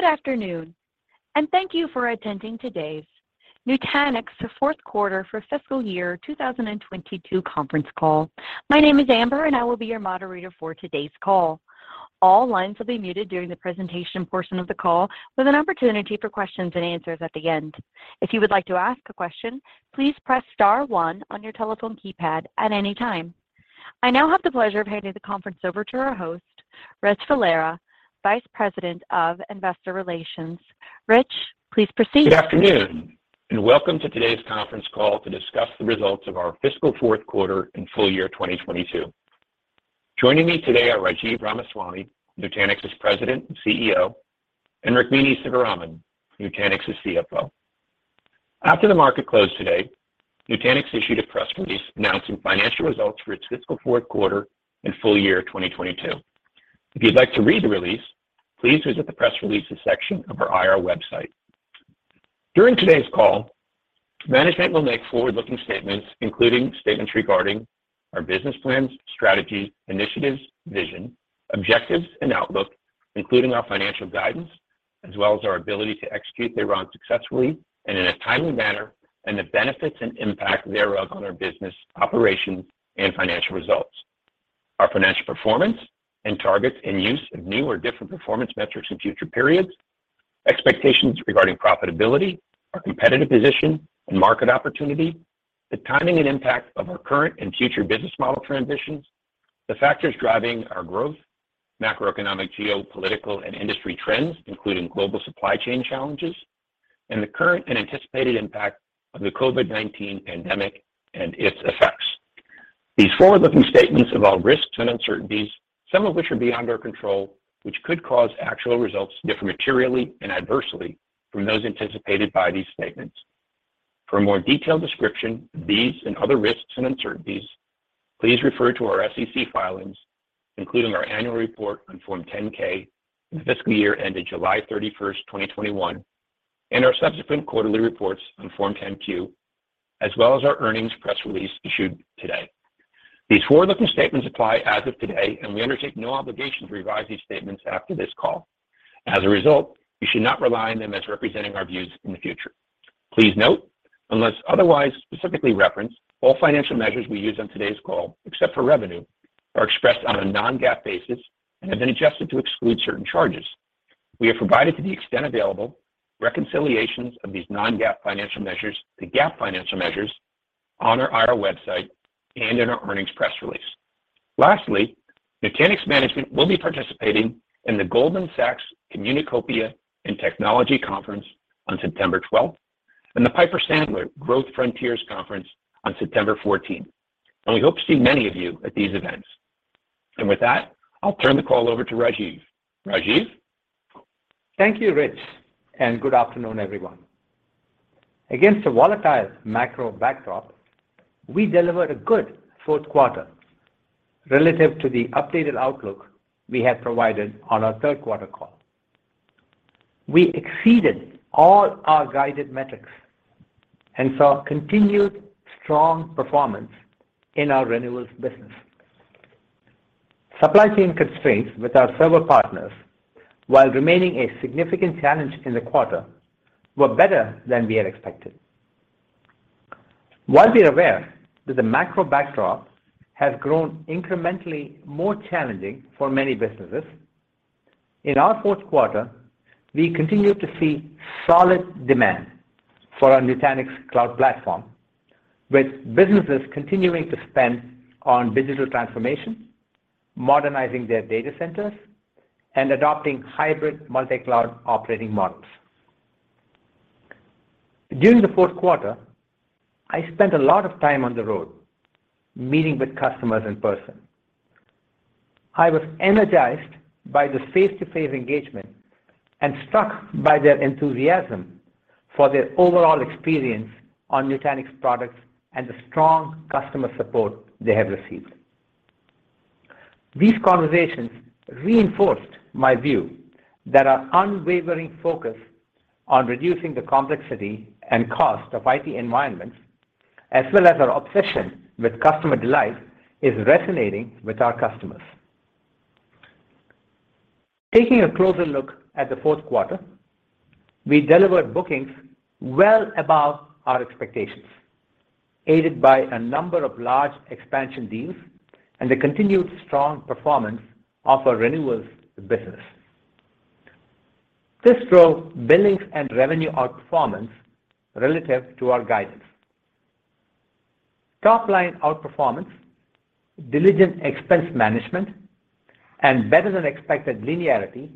Good afternoon, and thank you for attending today's Nutanix fourth quarter for fiscal year 2022 Conference Call. My name is Amber, and I will be your moderator for today's call. All lines will be muted during the presentation portion of the call, with an opportunity for questions and answers at the end. If you would like to ask a question, please press star one on your telephone keypad at any time. I now have the pleasure of handing the conference over to our host, Richard Valera, Vice President of Investor Relations. Rich, please proceed. Good afternoon, and welcome to today's conference call to discuss the results of our fiscal fourth quarter and full year 2022. Joining me today are Rajiv Ramaswami, Nutanix's President and CEO, and Rukmini Sivaraman, Nutanix's CFO. After the market closed today, Nutanix issued a press release announcing financial results for its fiscal fourth quarter and full year 2022. If you'd like to read the release, please visit the press releases section of our IR website. During today's call, management will make forward-looking statements, including statements regarding our business plans, strategy, initiatives, vision, objectives, and outlook, including our financial guidance, as well as our ability to execute thereon successfully and in a timely manner, and the benefits and impact thereof on our business operations and financial results, our financial performance and targets and use of new or different performance metrics in future periods, expectations regarding profitability, our competitive position and market opportunity, the timing and impact of our current and future business model transitions, the factors driving our growth, macroeconomic, geopolitical, and industry trends, including global supply chain challenges, and the current and anticipated impact of the COVID-19 pandemic and its effects. These forward-looking statements involve risks and uncertainties, some of which are beyond our control, which could cause actual results to differ materially and adversely from those anticipated by these statements. For a more detailed description of these and other risks and uncertainties, please refer to our SEC filings, including our annual report on Form 10-K for the fiscal year ended July 31, 2021, and our subsequent quarterly reports on Form 10-Q, as well as our earnings press release issued today. These forward-looking statements apply as of today, and we undertake no obligation to revise these statements after this call. As a result, you should not rely on them as representing our views in the future. Please note, unless otherwise specifically referenced, all financial measures we use on today's call, except for revenue, are expressed on a non-GAAP basis and have been adjusted to exclude certain charges. We have provided to the extent available reconciliations of these non-GAAP financial measures to GAAP financial measures on our IR website and in our earnings press release. Lastly, Nutanix management will be participating in the Goldman Sachs Communacopia + Technology Conference on September twelfth and the Piper Sandler Growth Frontiers Conference on September fourteenth, and we hope to see many of you at these events. With that, I'll turn the call over to Rajiv. Rajiv? Thank you, Rich, and good afternoon, everyone. Against a volatile macro backdrop, we delivered a good fourth quarter relative to the updated outlook we had provided on our third quarter call. We exceeded all our guided metrics and saw continued strong performance in our renewals business. Supply chain constraints with our server partners, while remaining a significant challenge in the quarter, were better than we had expected. While we are aware that the macro backdrop has grown incrementally more challenging for many businesses, in our fourth quarter, we continued to see solid demand for our Nutanix Cloud Platform, with businesses continuing to spend on digital transformation, modernizing their data centers, and adopting hybrid multi-cloud operating models. During the fourth quarter, I spent a lot of time on the road meeting with customers in person. I was energized by the face-to-face engagement and struck by their enthusiasm for their overall experience on Nutanix products and the strong customer support they have received. These conversations reinforced my view that our unwavering focus on reducing the complexity and cost of IT environments, as well as our obsession with customer delight, is resonating with our customers. Taking a closer look at the fourth quarter, we delivered bookings well above our expectations, aided by a number of large expansion deals and the continued strong performance of our renewals business. This drove billings and revenue outperformance relative to our guidance. Top line outperformance, diligent expense management, and better-than-expected linearity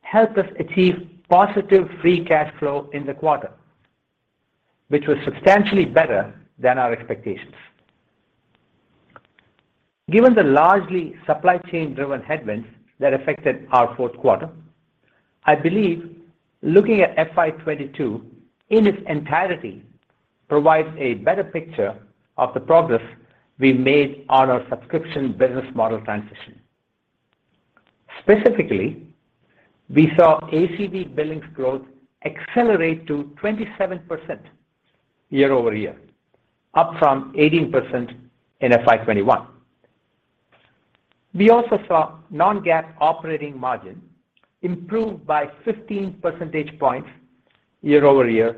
helped us achieve positive free cash flow in the quarter, which was substantially better than our expectations. Given the largely supply chain-driven headwinds that affected our fourth quarter, I believe looking at FY 2022 in its entirety provides a better picture of the progress we made on our subscription business model transition. Specifically, we saw ACV billings growth accelerate to 27% year-over-year, up from 18% in FY 2021. We also saw non-GAAP operating margin improve by 15 percentage points year-over-year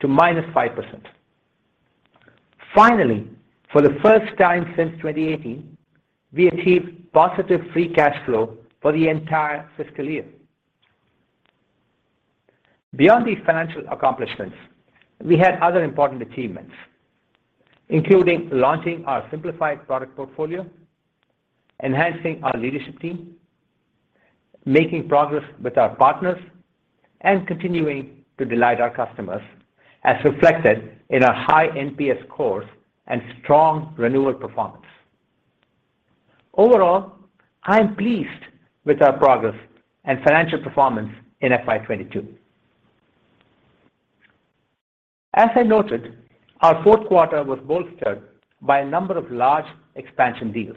to -5%. Finally, for the first time since 2018, we achieved positive free cash flow for the entire fiscal year. Beyond these financial accomplishments, we had other important achievements, including launching our simplified product portfolio, enhancing our leadership team, making progress with our partners, and continuing to delight our customers, as reflected in our high NPS scores and strong renewal performance. Overall, I am pleased with our progress and financial performance in FY 2022. As I noted, our fourth quarter was bolstered by a number of large expansion deals,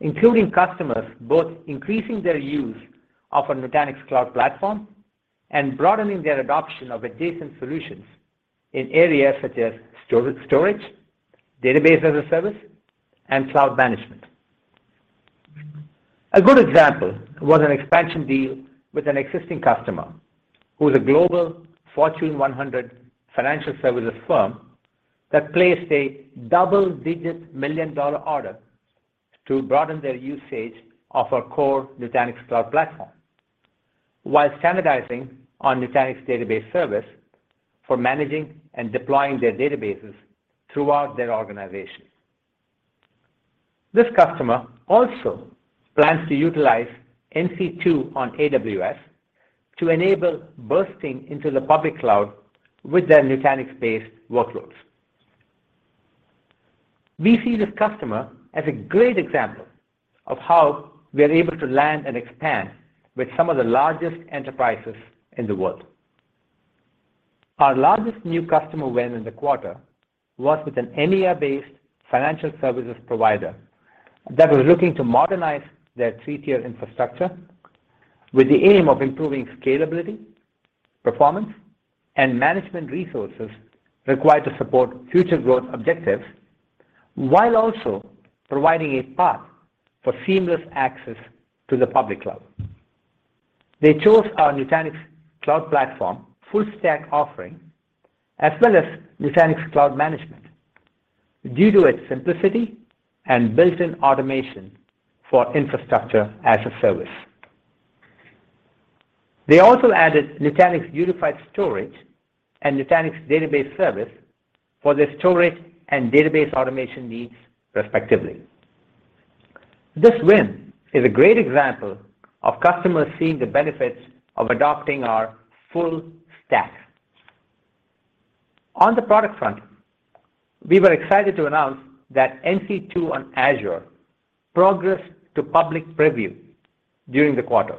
including customers both increasing their use of our Nutanix Cloud Platform and broadening their adoption of adjacent solutions in areas such as storage, database-as-a-service, and cloud management. A good example was an expansion deal with an existing customer who is a global Fortune 100 financial services firm that placed a double-digit million-dollar order to broaden their usage of our core Nutanix Cloud Platform while standardizing on Nutanix Database Service for managing and deploying their databases throughout their organization. This customer also plans to utilize NC2 on AWS to enable bursting into the public cloud with their Nutanix-based workloads. We see this customer as a great example of how we are able to land and expand with some of the largest enterprises in the world. Our largest new customer win in the quarter was with an EMEA-based financial services provider that was looking to modernize their three-tier infrastructure with the aim of improving scalability, performance, and management resources required to support future growth objectives while also providing a path for seamless access to the public cloud. They chose our Nutanix Cloud Platform full-stack offering, as well as Nutanix Cloud Manager due to its simplicity and built-in automation for infrastructure-as-a-service. They also added Nutanix Unified Storage and Nutanix Database Service for their storage and database automation needs, respectively. This win is a great example of customers seeing the benefits of adopting our full stack. On the product front, we were excited to announce that NC2 on Azure progressed to public preview during the quarter,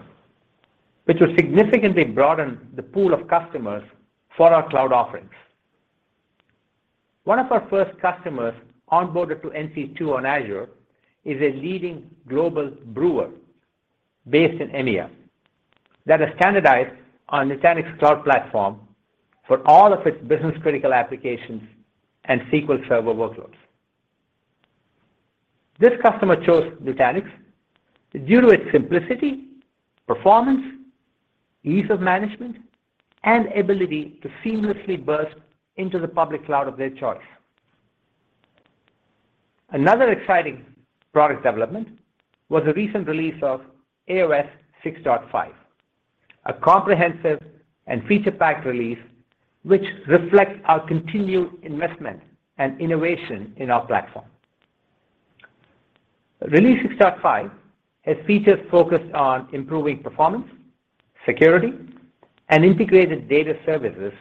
which will significantly broaden the pool of customers for our cloud offerings. One of our first customers onboarded to NC2 on Azure is a leading global brewer based in EMEA that has standardized on Nutanix Cloud Platform for all of its business-critical applications and SQL Server workloads. This customer chose Nutanix due to its simplicity, performance, ease of management, and ability to seamlessly burst into the public cloud of their choice. Another exciting product development was the recent release of AOS 6.5, a comprehensive and feature-packed release which reflects our continued investment and innovation in our platform. Release 6.5 has features focused on improving performance, security, and integrated data services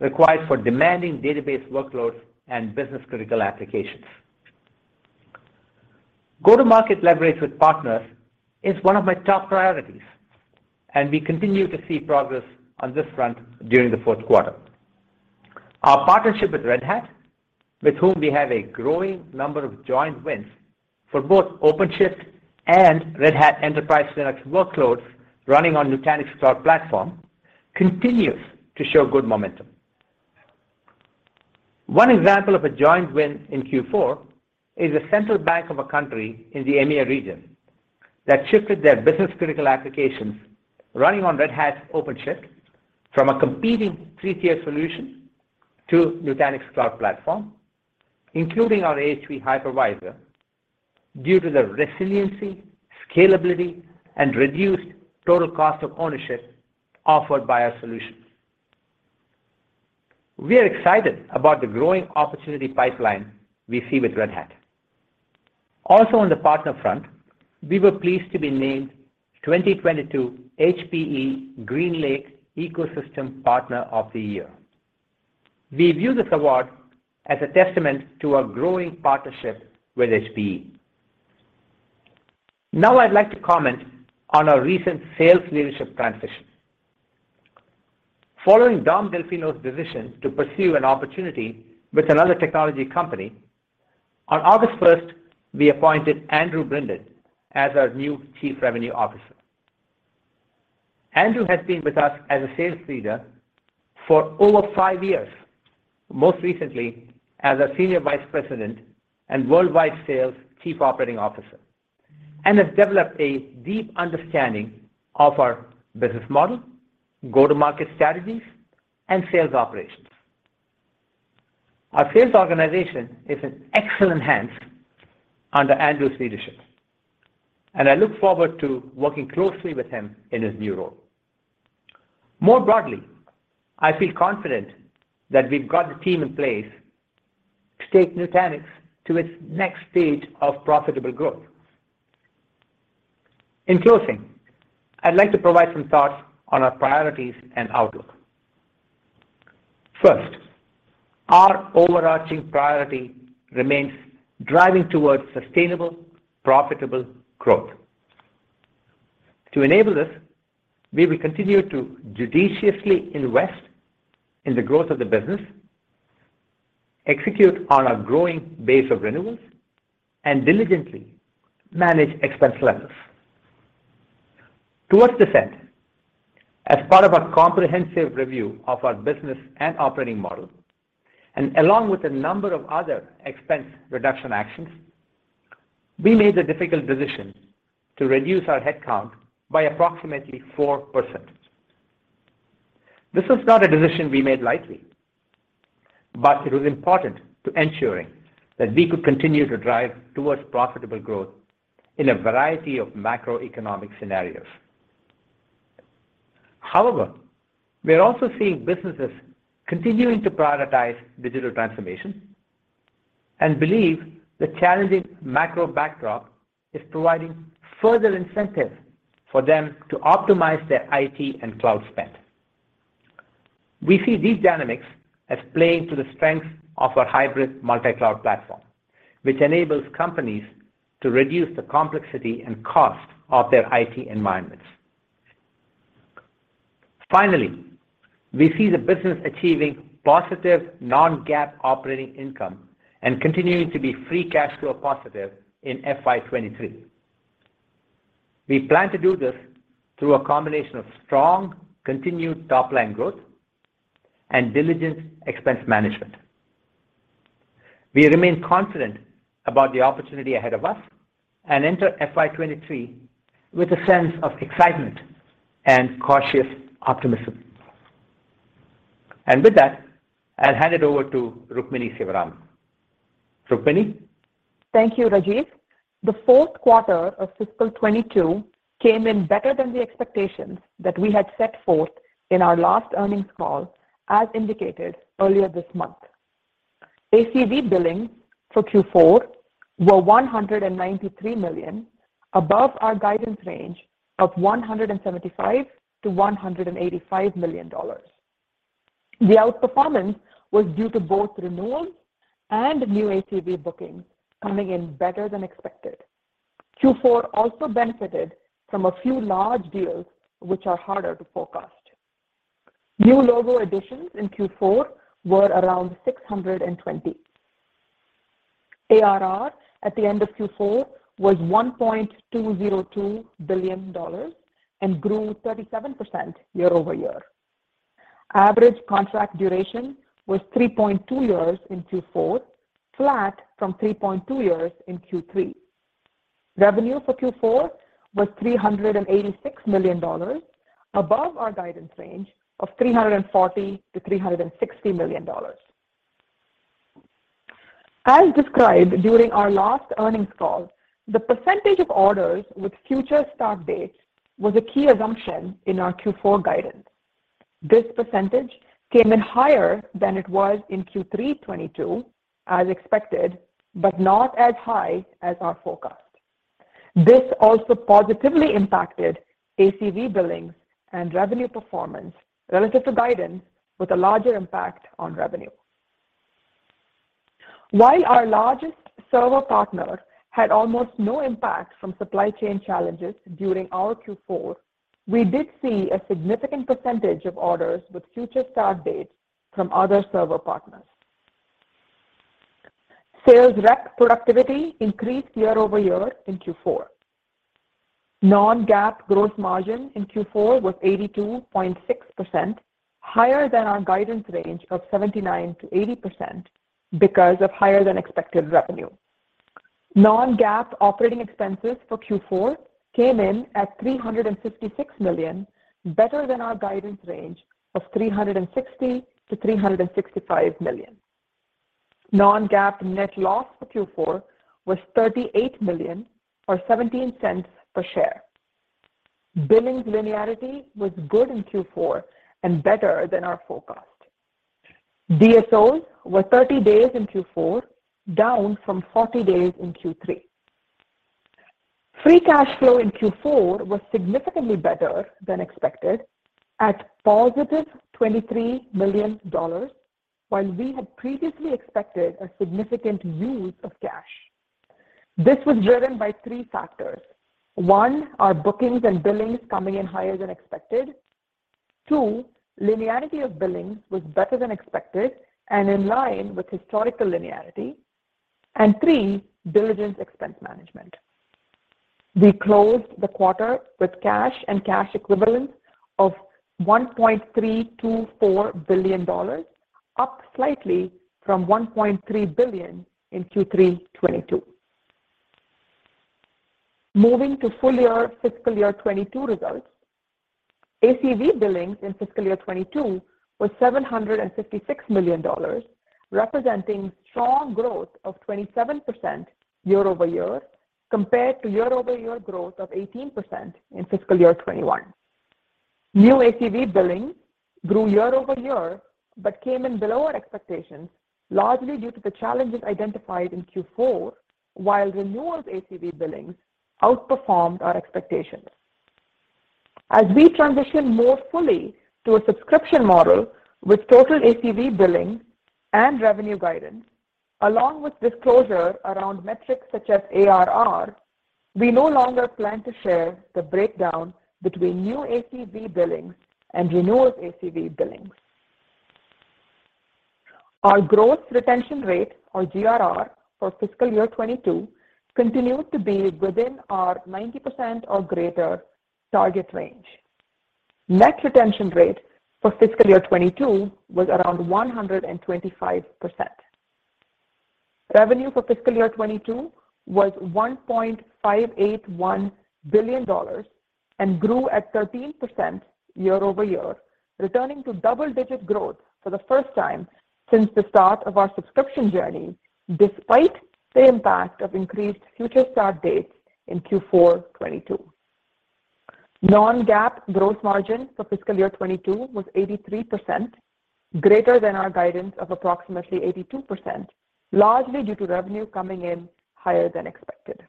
required for demanding database workloads and business-critical applications. Go-to-market leverage with partners is one of my top priorities, and we continue to see progress on this front during the fourth quarter. Our partnership with Red Hat, with whom we have a growing number of joint wins for both OpenShift and Red Hat Enterprise Linux workloads running on Nutanix Cloud Platform, continues to show good momentum. One example of a joint win in Q4 is a central bank of a country in the EMEA region that shifted their business-critical applications running on Red Hat OpenShift from a competing three-tier solution to Nutanix Cloud Platform, including our AHV hypervisor, due to the resiliency, scalability, and reduced total cost of ownership offered by our solutions. We are excited about the growing opportunity pipeline we see with Red Hat. Also on the partner front, we were pleased to be named 2022 HPE GreenLake Ecosystem Partner of the Year. We view this award as a testament to our growing partnership with HPE. Now I'd like to comment on our recent sales leadership transition. Following Dominick Delfino's decision to pursue an opportunity with another technology company, on August first, we appointed Andrew Brinded as our new Chief Revenue Officer. Andrew has been with us as a sales leader for over five years, most recently as a Senior Vice President and worldwide sales Chief Operating Officer, and has developed a deep understanding of our business model, go-to-market strategies, and sales operations. Our sales organization is in excellent hands under Andrew's leadership, and I look forward to working closely with him in his new role. More broadly, I feel confident that we've got the team in place to take Nutanix to its next stage of profitable growth. In closing, I'd like to provide some thoughts on our priorities and outlook. First, our overarching priority remains driving towards sustainable, profitable growth. To enable this, we will continue to judiciously invest in the growth of the business, execute on our growing base of renewals, and diligently manage expense levels. Towards this end, as part of our comprehensive review of our business and operating model, and along with a number of other expense reduction actions, we made the difficult decision to reduce our headcount by approximately 4%. This was not a decision we made lightly, but it was important to ensuring that we could continue to drive towards profitable growth in a variety of macroeconomic scenarios. However, we are also seeing businesses continuing to prioritize digital transformation and believe the challenging macro backdrop is providing further incentive for them to optimize their IT and cloud spend. We see these dynamics as playing to the strength of our hybrid multi-cloud platform, which enables companies to reduce the complexity and cost of their IT environments. Finally, we see the business achieving positive non-GAAP operating income and continuing to be free cash flow positive in FY 2023. We plan to do this through a combination of strong, continued top line growth and diligent expense management. We remain confident about the opportunity ahead of us and enter FY 2023 with a sense of excitement and cautious optimism. With that, I'll hand it over to Rukmini Sivaraman. Rukmini? Thank you, Rajiv. The fourth quarter of fiscal 2022 came in better than the expectations that we had set forth in our last earnings call, as indicated earlier this month. ACV billings for Q4 were $193 million, above our guidance range of $175 million-$185 million. The outperformance was due to both renewals and new ACV bookings coming in better than expected. Q4 also benefited from a few large deals which are harder to forecast. New logo additions in Q4 were around 620. ARR at the end of Q4 was $1.202 billion and grew 37% year-over-year. Average contract duration was 3.2 years in Q4, flat from 3.2 years in Q3. Revenue for Q4 was $386 million, above our guidance range of $340 million-$360 million. As described during our last earnings call, the percentage of orders with future start dates was a key assumption in our Q4 guidance. This percentage came in higher than it was in Q3 2022 as expected, but not as high as our forecast. This also positively impacted ACV billings and revenue performance relative to guidance, with a larger impact on revenue. While our largest server partner had almost no impact from supply chain challenges during our Q4, we did see a significant percentage of orders with future start dates from other server partners. Sales rep productivity increased year-over-year in Q4. Non-GAAP growth margin in Q4 was 82.6%, higher than our guidance range of 79%-80% because of higher than expected revenue. Non-GAAP operating expenses for Q4 came in at $356 million, better than our guidance range of $360 million-$365 million. Non-GAAP net loss for Q4 was $38 million or 17 cents per share. Billings linearity was good in Q4 and better than our forecast. DSO was 30 days in Q4, down from 40 days in Q3. Free cash flow in Q4 was significantly better than expected at positive $23 million, while we had previously expected a significant use of cash. This was driven by three factors. One, our bookings and billings coming in higher than expected. Two, linearity of billings was better than expected and in line with historical linearity. Three, diligent expense management. We closed the quarter with cash and cash equivalents of $1.324 billion, up slightly from $1.3 billion in Q3 2022. Moving to full-year fiscal year 2022 results. ACV billings in fiscal year 2022 was $756 million, representing strong growth of 27% year-over-year compared to year-over-year growth of 18% in fiscal year 2021. New ACV billings grew year-over-year but came in below our expectations, largely due to the challenges identified in Q4, while renewals ACV billings outperformed our expectations. As we transition more fully to a subscription model with total ACV billing and revenue guidance, along with disclosure around metrics such as ARR, we no longer plan to share the breakdown between new ACV billings and renewals ACV billings. Our growth retention rate, or GRR, for fiscal year 2022 continued to be within our 90% or greater target range. Net retention rate for fiscal year 2022 was around 125%. Revenue for fiscal year 2022 was $1.581 billion and grew at 13% year-over-year, returning to double-digit growth for the first time since the start of our subscription journey, despite the impact of increased future start dates in Q4 2022. Non-GAAP gross margin for fiscal year 2022 was 83%, greater than our guidance of approximately 82%, largely due to revenue coming in higher than expected.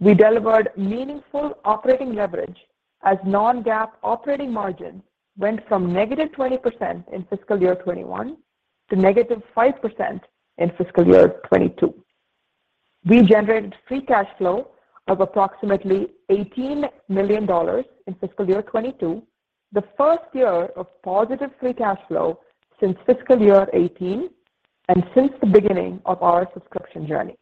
We delivered meaningful operating leverage as non-GAAP operating margin went from -20% in fiscal year 2021 to -5% in fiscal year 2022. We generated free cash flow of approximately $18 million in fiscal year 2022, the first year of positive free cash flow since fiscal year 2018 and since the beginning of our subscription journey.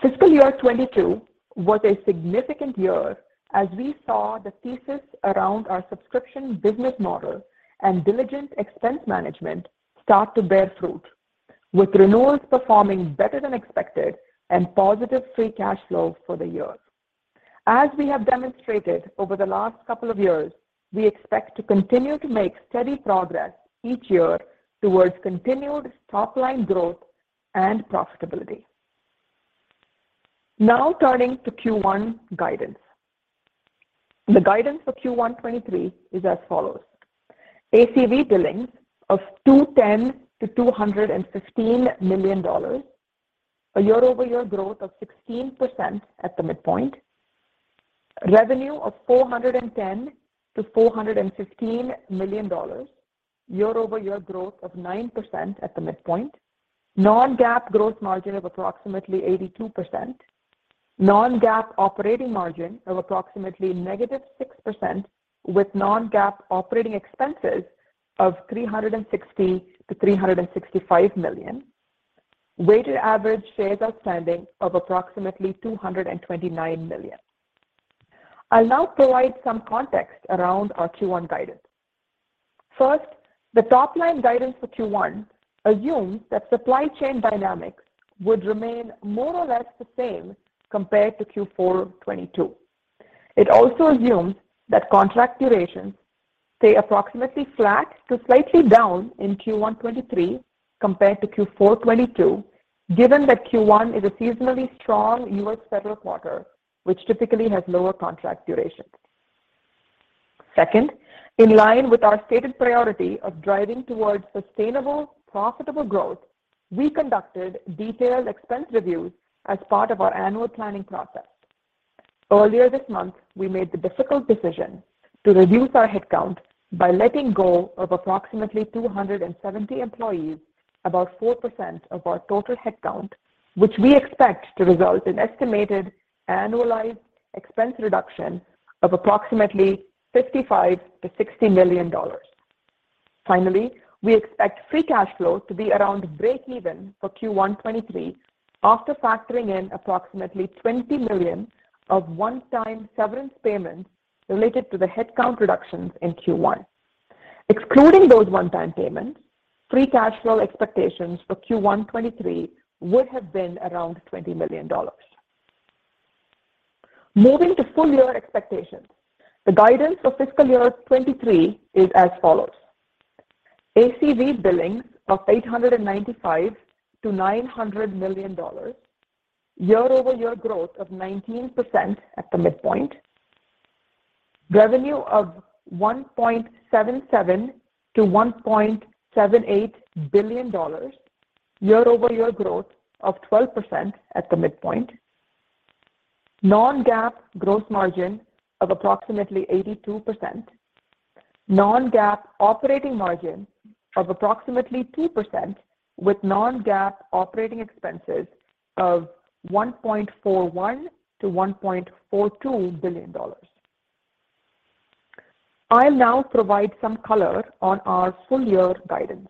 Fiscal year 2022 was a significant year as we saw the thesis around our subscription business model and diligent expense management start to bear fruit, with renewals performing better than expected and positive free cash flow for the year. As we have demonstrated over the last couple of years, we expect to continue to make steady progress each year towards continued top-line growth and profitability. Now turning to Q1 guidance. The guidance for Q1 2023 is as follows. ACV billings of $210 million-$215 million, a year-over-year growth of 16% at the midpoint. Revenue of $410 million-$415 million, year-over-year growth of 9% at the midpoint. Non-GAAP gross margin of approximately 82%. Non-GAAP operating margin of approximately -6% with non-GAAP operating expenses of $360 million-$365 million. Weighted average shares outstanding of approximately 229 million. I'll now provide some context around our Q1 guidance. First, the top-line guidance for Q1 assumes that supply chain dynamics would remain more or less the same compared to Q4 2022. It also assumes that contract durations stay approximately flat to slightly down in Q1 2023 compared to Q4 2022, given that Q1 is a seasonally strong U.S. federal quarter, which typically has lower contract durations. Second, in line with our stated priority of driving towards sustainable, profitable growth, we conducted detailed expense reviews as part of our annual planning process. Earlier this month, we made the difficult decision to reduce our headcount by letting go of approximately 270 employees, about 4% of our total headcount, which we expect to result in estimated annualized expense reduction of approximately $55 million-$60 million. Finally, we expect free cash flow to be around breakeven for Q1 2023 after factoring in approximately $20 million of one-time severance payments related to the headcount reductions in Q1. Excluding those one-time payments, free cash flow expectations for Q1 2023 would have been around $20 million. Moving to full year expectations. The guidance for fiscal year 2023 is as follows: ACV billings of $895 million-$900 million, 19% year-over-year growth at the midpoint. Revenue of $1.77 billion-$1.78 billion, 12% year-over-year growth at the midpoint. Non-GAAP gross margin of approximately 82%. Non-GAAP operating margin of approximately 2% with non-GAAP operating expenses of $1.41 billion-$1.42 billion. I'll now provide some color on our full year guidance.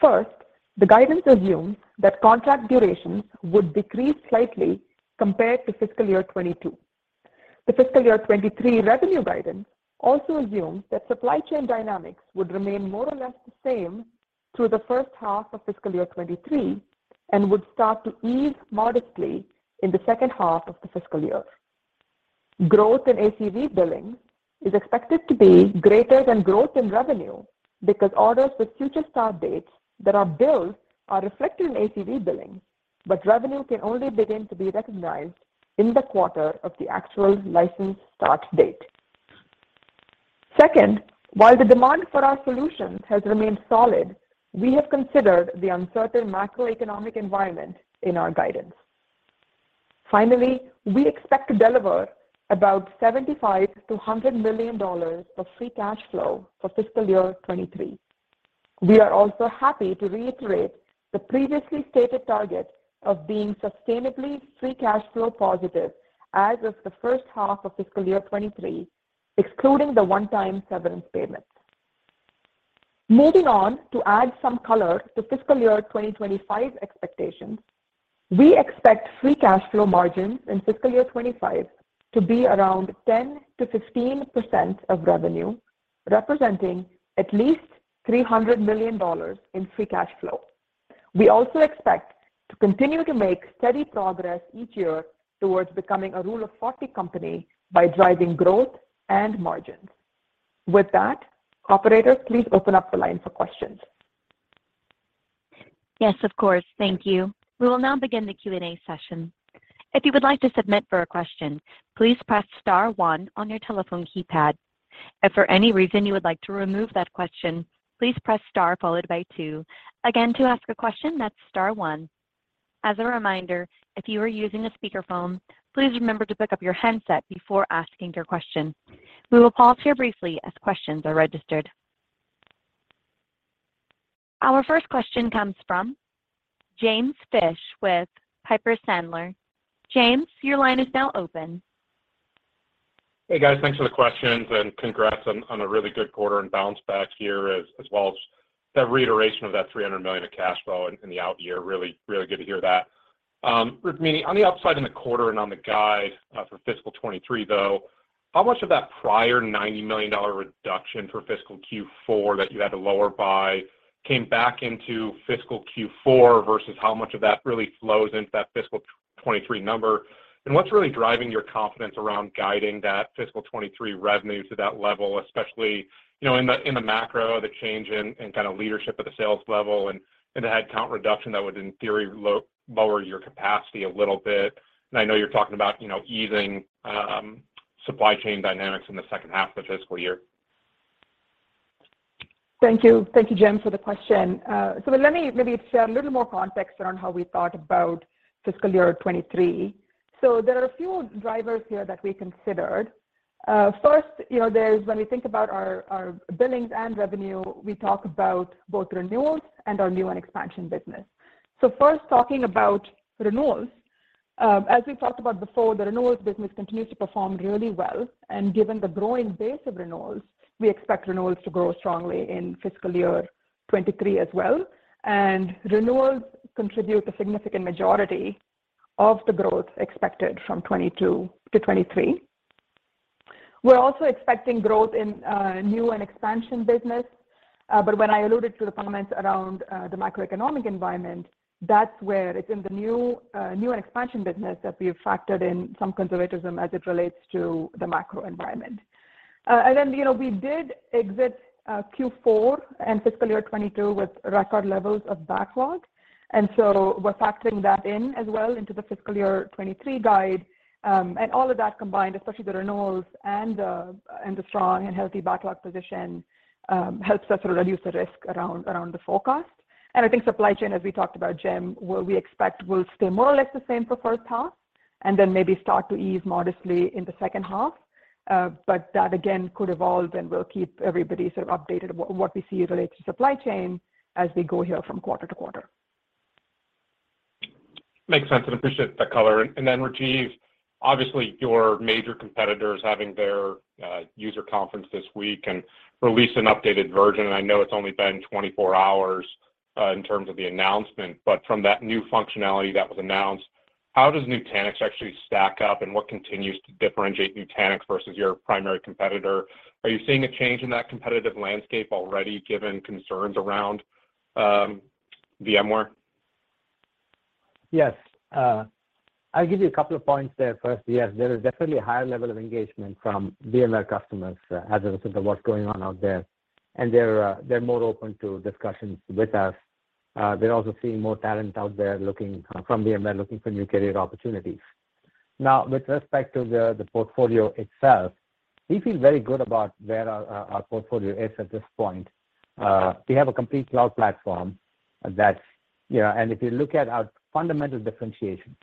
First, the guidance assumes that contract durations would decrease slightly compared to fiscal year 2022. The fiscal year 2023 revenue guidance also assumes that supply chain dynamics would remain more or less the same through the first half of fiscal year 2023, and would start to ease modestly in the second half of the fiscal year. Growth in ACV billing is expected to be greater than growth in revenue because orders with future start dates that are billed are reflected in ACV billing, but revenue can only begin to be recognized in the quarter of the actual license start date. Second, while the demand for our solutions has remained solid, we have considered the uncertain macroeconomic environment in our guidance. Finally, we expect to deliver about $75 million-$100 million of free cash flow for fiscal year 2023. We are also happy to reiterate the previously stated target of being sustainably free cash flow positive as of the first half of fiscal year 2023, excluding the one-time severance payment. Moving on to add some color to fiscal year 2025 expectations, we expect free cash flow margins in fiscal year 2025 to be around 10%-15% of revenue, representing at least $300 million in free cash flow. We also expect to continue to make steady progress each year towards becoming a rule of forty company by driving growth and margins. With that, operators, please open up the line for questions. Yes, of course. Thank you. We will now begin the Q&A session. If you would like to submit for a question, please press star one on your telephone keypad. If for any reason you would like to remove that question, please press star followed by two. Again, to ask a question, that's star one. As a reminder, if you are using a speakerphone, please remember to pick up your handset before asking your question. We will pause here briefly as questions are registered. Our first question comes from James Fish with Piper Sandler. James, your line is now open. Hey, guys. Thanks for the questions and congrats on a really good quarter and bounce back here as well as that reiteration of that $300 million of cash flow in the out year. Really good to hear that. Rukmini, on the upside in the quarter and on the guide for fiscal 2023, though, how much of that prior $90 million reduction for fiscal Q4 that you had to lower by came back into fiscal Q4 versus how much of that really flows into that fiscal 2023 number? And what's really driving your confidence around guiding that fiscal 2023 revenue to that level, especially, you know, in the macro, the change in kind of leadership at the sales level and the headcount reduction that would in theory lower your capacity a little bit. I know you're talking about, you know, easing supply chain dynamics in the second half of the fiscal year. Thank you. Thank you, James, for the question. Let me maybe share a little more context around how we thought about fiscal year 2023. There are a few drivers here that we considered. First, you know, there's when we think about our billings and revenue, we talk about both renewals and our new and expansion business. First talking about renewals. As we talked about before, the renewals business continues to perform really well, and given the growing base of renewals, we expect renewals to grow strongly in fiscal year 2023 as well. Renewals contribute a significant majority of the growth expected from 2022 to 2023. We're also expecting growth in new and expansion business. When I alluded to the comments around the macroeconomic environment, that's where it's in the new and expansion business that we have factored in some conservatism as it relates to the macro environment. You know, we did exit Q4 and fiscal year 2022 with record levels of backlog. We're factoring that in as well into the fiscal year 2023 guide. All of that combined, especially the renewals and the strong and healthy backlog position, helps us to reduce the risk around the forecast. I think supply chain, as we talked about, Jim, we expect will stay more or less the same for first half and then maybe start to ease modestly in the second half. That again could evolve, and we'll keep everybody sort of updated what we see as it relates to supply chain as we go here from quarter to quarter. Makes sense, and appreciate the color. Rajiv, obviously your major competitor is having their user conference this week and released an updated version. I know it's only been 24 hours in terms of the announcement. From that new functionality that was announced, how does Nutanix actually stack up, and what continues to differentiate Nutanix versus your primary competitor? Are you seeing a change in that competitive landscape already, given concerns around VMware? Yes. I'll give you a couple of points there. First, yes, there is definitely a higher level of engagement from VMware customers as a result of what's going on out there. They're more open to discussions with us. They're also seeing more talent out there from VMware looking for new career opportunities. Now, with respect to the portfolio itself, we feel very good about where our portfolio is at this point. We have a complete cloud platform that's, you know, if you look at our fundamental differentiation.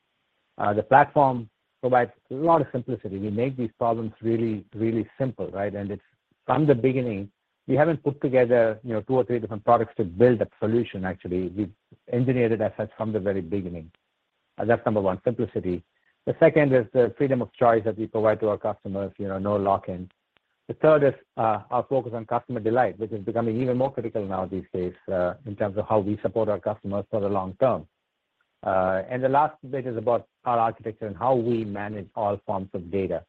The platform provides a lot of simplicity. We make these problems really, really simple, right? It's from the beginning, we haven't put together, you know, two or three different products to build a solution, actually. We've engineered assets from the very beginning. That's number one, simplicity. The second is the freedom of choice that we provide to our customers, you know, no lock-in. The third is our focus on customer delight, which is becoming even more critical now these days in terms of how we support our customers for the long-term. And the last bit is about our architecture and how we manage all forms of data.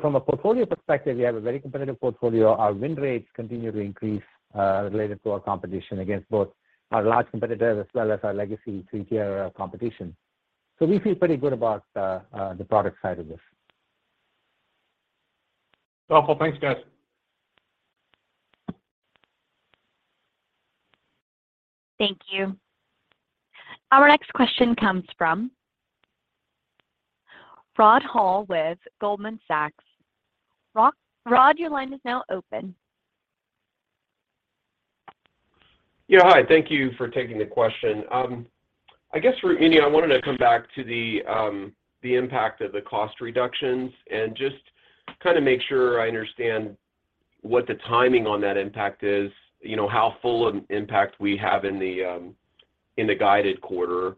From a portfolio perspective, we have a very competitive portfolio. Our win rates continue to increase related to our competition against both our large competitors as well as our legacy three-tier competition. We feel pretty good about the product side of this. Wonderful. Thanks, guys. Thank you. Our next question comes from Rod Hall with Goldman Sachs. Rod, your line is now open. Yeah. Hi, thank you for taking the question. I guess, Rukmini, I wanted to come back to the impact of the cost reductions and just kinda make sure I understand what the timing on that impact is. You know, how much of the impact we have in the guided quarter.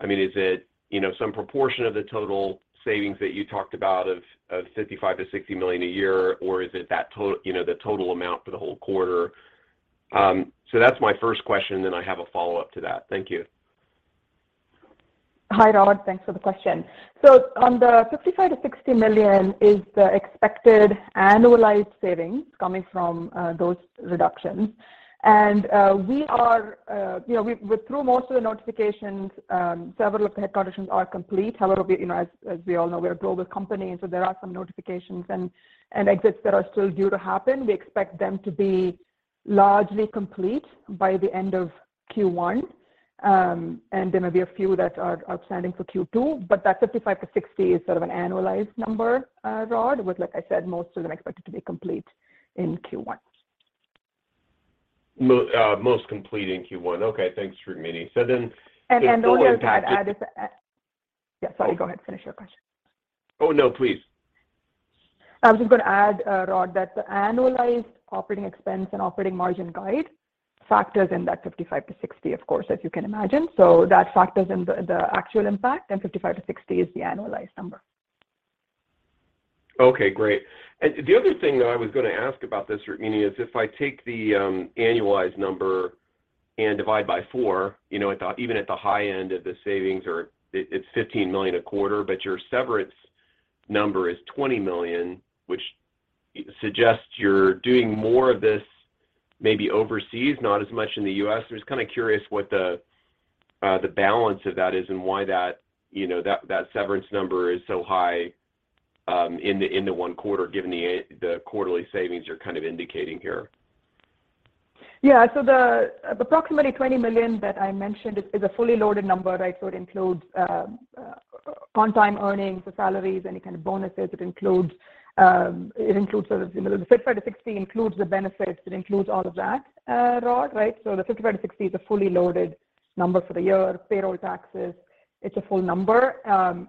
I mean, is it, you know, some proportion of the total savings that you talked about of $55 million-$60 million a year, or is it that total, you know, the total amount for the whole quarter? That's my first question, then I have a follow-up to that. Thank you. Hi, Rod. Thanks for the question. On the $55 million-$60 million is the expected annualized savings coming from those reductions. You know, we're through most of the notifications, several of the headcount actions are complete. However, you know, as we all know, we're a global company, so there are some notifications and exits that are still due to happen. We expect them to be largely complete by the end of Q1, and there may be a few that are outstanding for Q2, but that $55 million-$60 million is sort of an annualized number, Rod, with, like I said, most of them expected to be complete in Q1. Most complete in Q1. Okay, thanks, Rukmini. I would add. Yeah, sorry, go ahead, finish your question. Oh, no, please. I was just gonna add, Rod, that the annualized operating expense and operating margin guide factors in that 55%-60%, of course, as you can imagine. That factors in the actual impact, and 55%-60% is the annualized number. Okay, great. The other thing that I was gonna ask about this, Rukmini, is if I take the annualized number and divide by four, you know, even at the high end of the savings or it's $15 million a quarter, but your severance number is $20 million, which suggests you're doing more of this, maybe overseas, not as much in the U.S. I'm just kinda curious what the balance of that is and why that severance number is so high in the one quarter, given the quarterly savings you're kind of indicating here. Yeah. The approximately $20 million that I mentioned is a fully loaded number, right? It includes on-time earnings, the salaries, any kind of bonuses. It includes the $55,000-$60,000 includes the benefits. It includes all of that, Rod, right? The $55,000-$60,000 is a fully loaded number for the year, payroll taxes. It's a full number.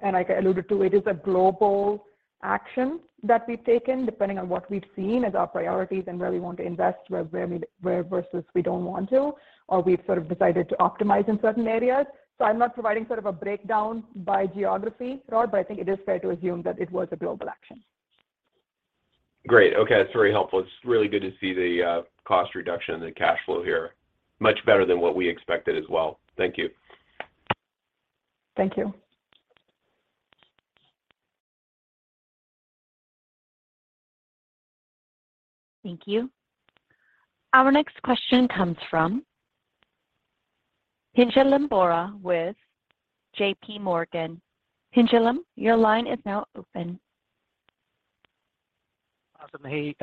Like I alluded to, it is a global action that we've taken, depending on what we've seen as our priorities and where we want to invest versus where we don't want to, or we've sort of decided to optimize in certain areas. I'm not providing sort of a breakdown by geography, Rod, but I think it is fair to assume that it was a global action. Great. Okay. That's very helpful. It's really good to see the cost reduction and the cash flow here. Much better than what we expected as well. Thank you. Thank you. Thank you. Our next question comes from Pinjalim Bora with J.P. Morgan. Pinjalim, your line is now open. Awesome. Hey,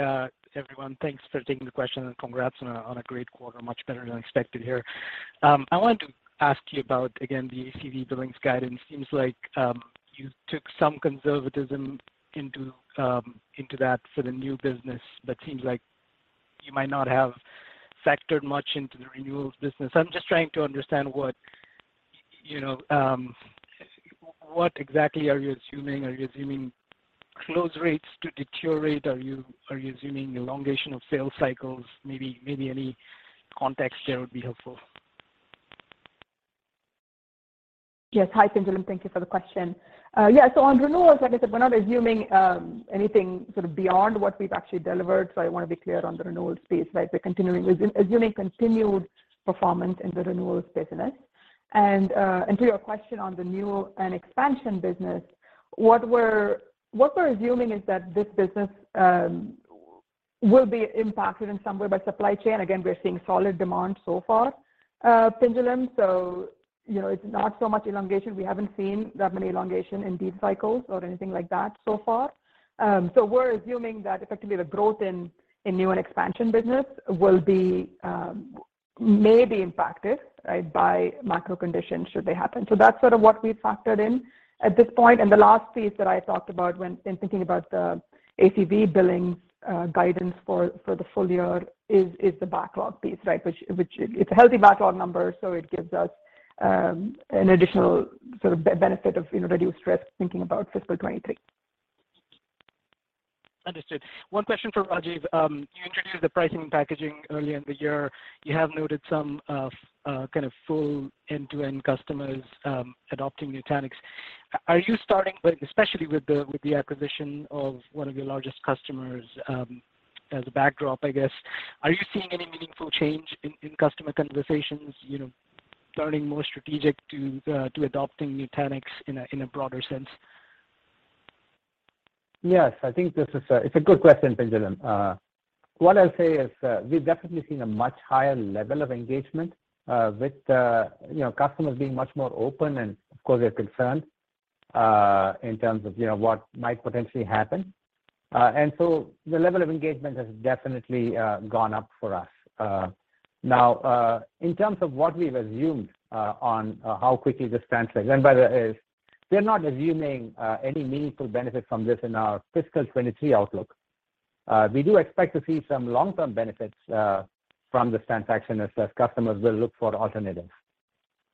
everyone. Thanks for taking the question, and congrats on a great quarter. Much better than expected here. I wanted to ask you about, again, the ACV billings guidance. Seems like you took some conservatism into that for the new business, but seems like you might not have factored much into the renewals business. I'm just trying to understand what, you know, what exactly are you assuming? Are you assuming close rates to deteriorate? Are you assuming elongation of sales cycles? Maybe any context there would be helpful. Yes. Hi, Pinjalim. Thank you for the question. Yeah, on renewals, like I said, we're not assuming anything sort of beyond what we've actually delivered. I wanna be clear on the renewals piece, right? We're assuming continued performance in the renewals business. To your question on the new and expansion business, what we're assuming is that this business will be impacted in some way by supply chain. Again, we're seeing solid demand so far, Pinjalim. You know, it's not so much elongation. We haven't seen that much elongation in these cycles or anything like that so far. We're assuming that effectively the growth in new and expansion business may be impacted, right, by macro conditions should they happen. That's sort of what we've factored in at this point. The last piece that I talked about when in thinking about the ACV billings guidance for the full year is the backlog piece, right? Which it's a healthy backlog number, so it gives us an additional sort of benefit of, you know, reduced risk thinking about fiscal 2023. Understood. One question for Rajiv. You introduced the pricing and packaging earlier in the year. You have noted some of kind of full end-to-end customers adopting Nutanix. But especially with the acquisition of one of your largest customers as a backdrop, I guess, are you seeing any meaningful change in customer conversations, you know, turning more strategic to adopting Nutanix in a broader sense? Yes. I think this is— It's a good question, Pinjalim. What I'll say is, we've definitely seen a much higher level of engagement with you know, customers being much more open and, of course, they're concerned in terms of you know, what might potentially happen. The level of engagement has definitely gone up for us. Now, in terms of what we've assumed on how quickly this translates, and by the way, we're not assuming any meaningful benefit from this in our fiscal 2023 outlook. We do expect to see some long-term benefits from this transaction as customers will look for alternatives.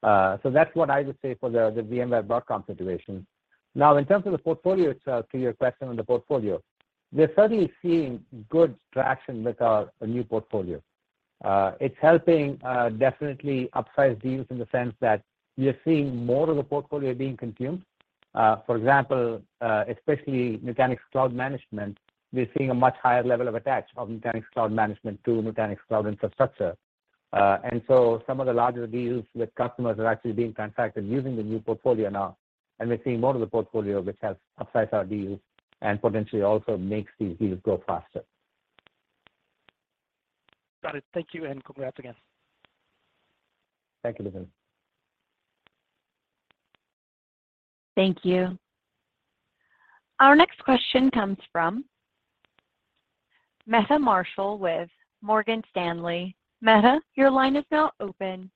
That's what I would say for the VMware Broadcom situation. Now, in terms of the portfolio, to your question on the portfolio, we're certainly seeing good traction with our new portfolio. It's helping, definitely upsize deals in the sense that we are seeing more of the portfolio being consumed. For example, especially Nutanix Cloud Manager, we're seeing a much higher level of attach of Nutanix Cloud Manager to Nutanix Cloud Infrastructure. Some of the larger deals with customers are actually being transacted using the new portfolio now, and we're seeing more of the portfolio which has upsized our deals and potentially also makes these deals go faster. Got it. Thank you, and congrats again. Thank you, Pinjalim Bora. Thank you. Our next question comes from Meta Marshall with Morgan Stanley. Meta, your line is now open.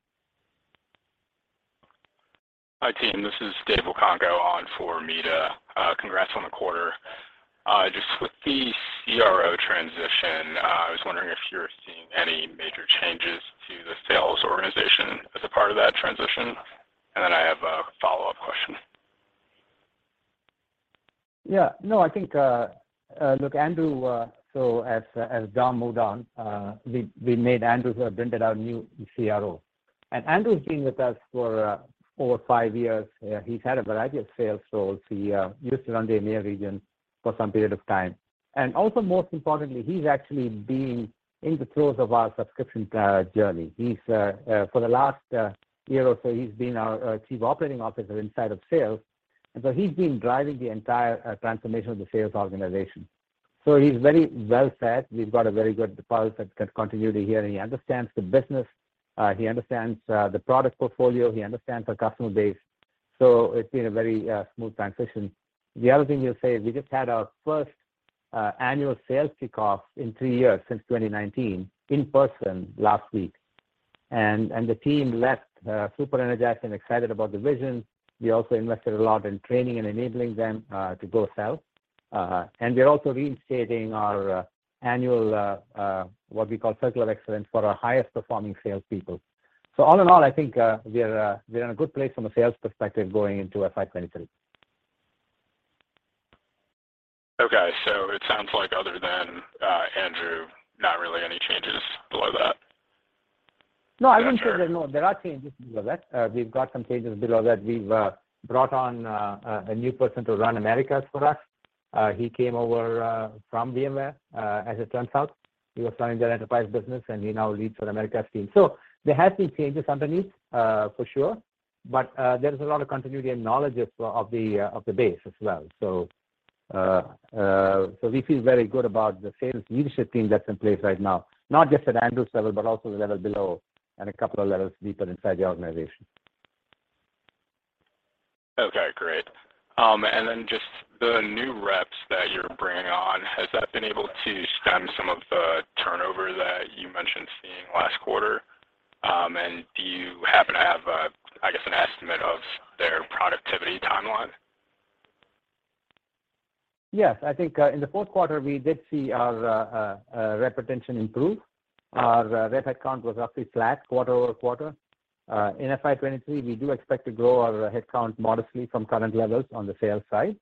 Hi, team. This is Dave Okongo on for Meta Marshall. Congrats on the quarter. Just with the CRO transition, I was wondering if you're seeing any major changes to the sales organization as a part of that transition? Then I have a follow-up question. Yeah. No, I think, look, Andrew. As Don moved on, we made Andrew who have been there our new CRO. Andrew's been with us for over five years. He's had a variety of sales roles. He used to run the EMEA region for some period of time. Also, most importantly, he's actually been in the throes of our subscription journey. For the last year or so, he's been our chief operating officer inside of sales. He's been driving the entire transformation of the sales organization. He's very well set. We've got a very good deputy that can continue here, and he understands the business, he understands the product portfolio, he understands our customer base. It's been a very smooth transition. The other thing you say is we just had our first annual sales kickoff in two years, since 2019, in person last week. The team left super energized and excited about the vision. We also invested a lot in training and enabling them to go sell. We're also reinstating our annual what we call Circle of Excellence for our highest performing salespeople. All in all, I think we're in a good place from a sales perspective going into FY 2023. Okay. It sounds like other than Andrew, not really any changes below that. No, I wouldn't say there are no. There are changes below that. We've got some changes below that. We've brought on a new person to run Americas for us. He came over from VMware. As it turns out, he was running their enterprise business, and he now leads for the Americas team. There has been changes underneath for sure. There is a lot of continuity and knowledge of the base as well. We feel very good about the sales leadership team that's in place right now, not just at Andrew's level, but also the level below and a couple of levels deeper inside the organization. Okay, great. Just the new reps that you're bringing on, has that been able to stem some of the turnover that you mentioned seeing last quarter? Do you happen to have, I guess, an estimate of their productivity timeline? Yes. I think in the fourth quarter, we did see our rep retention improve. Our rep headcount was roughly flat quarter over quarter. In FY 2023, we do expect to grow our headcount modestly from current levels on the sales side,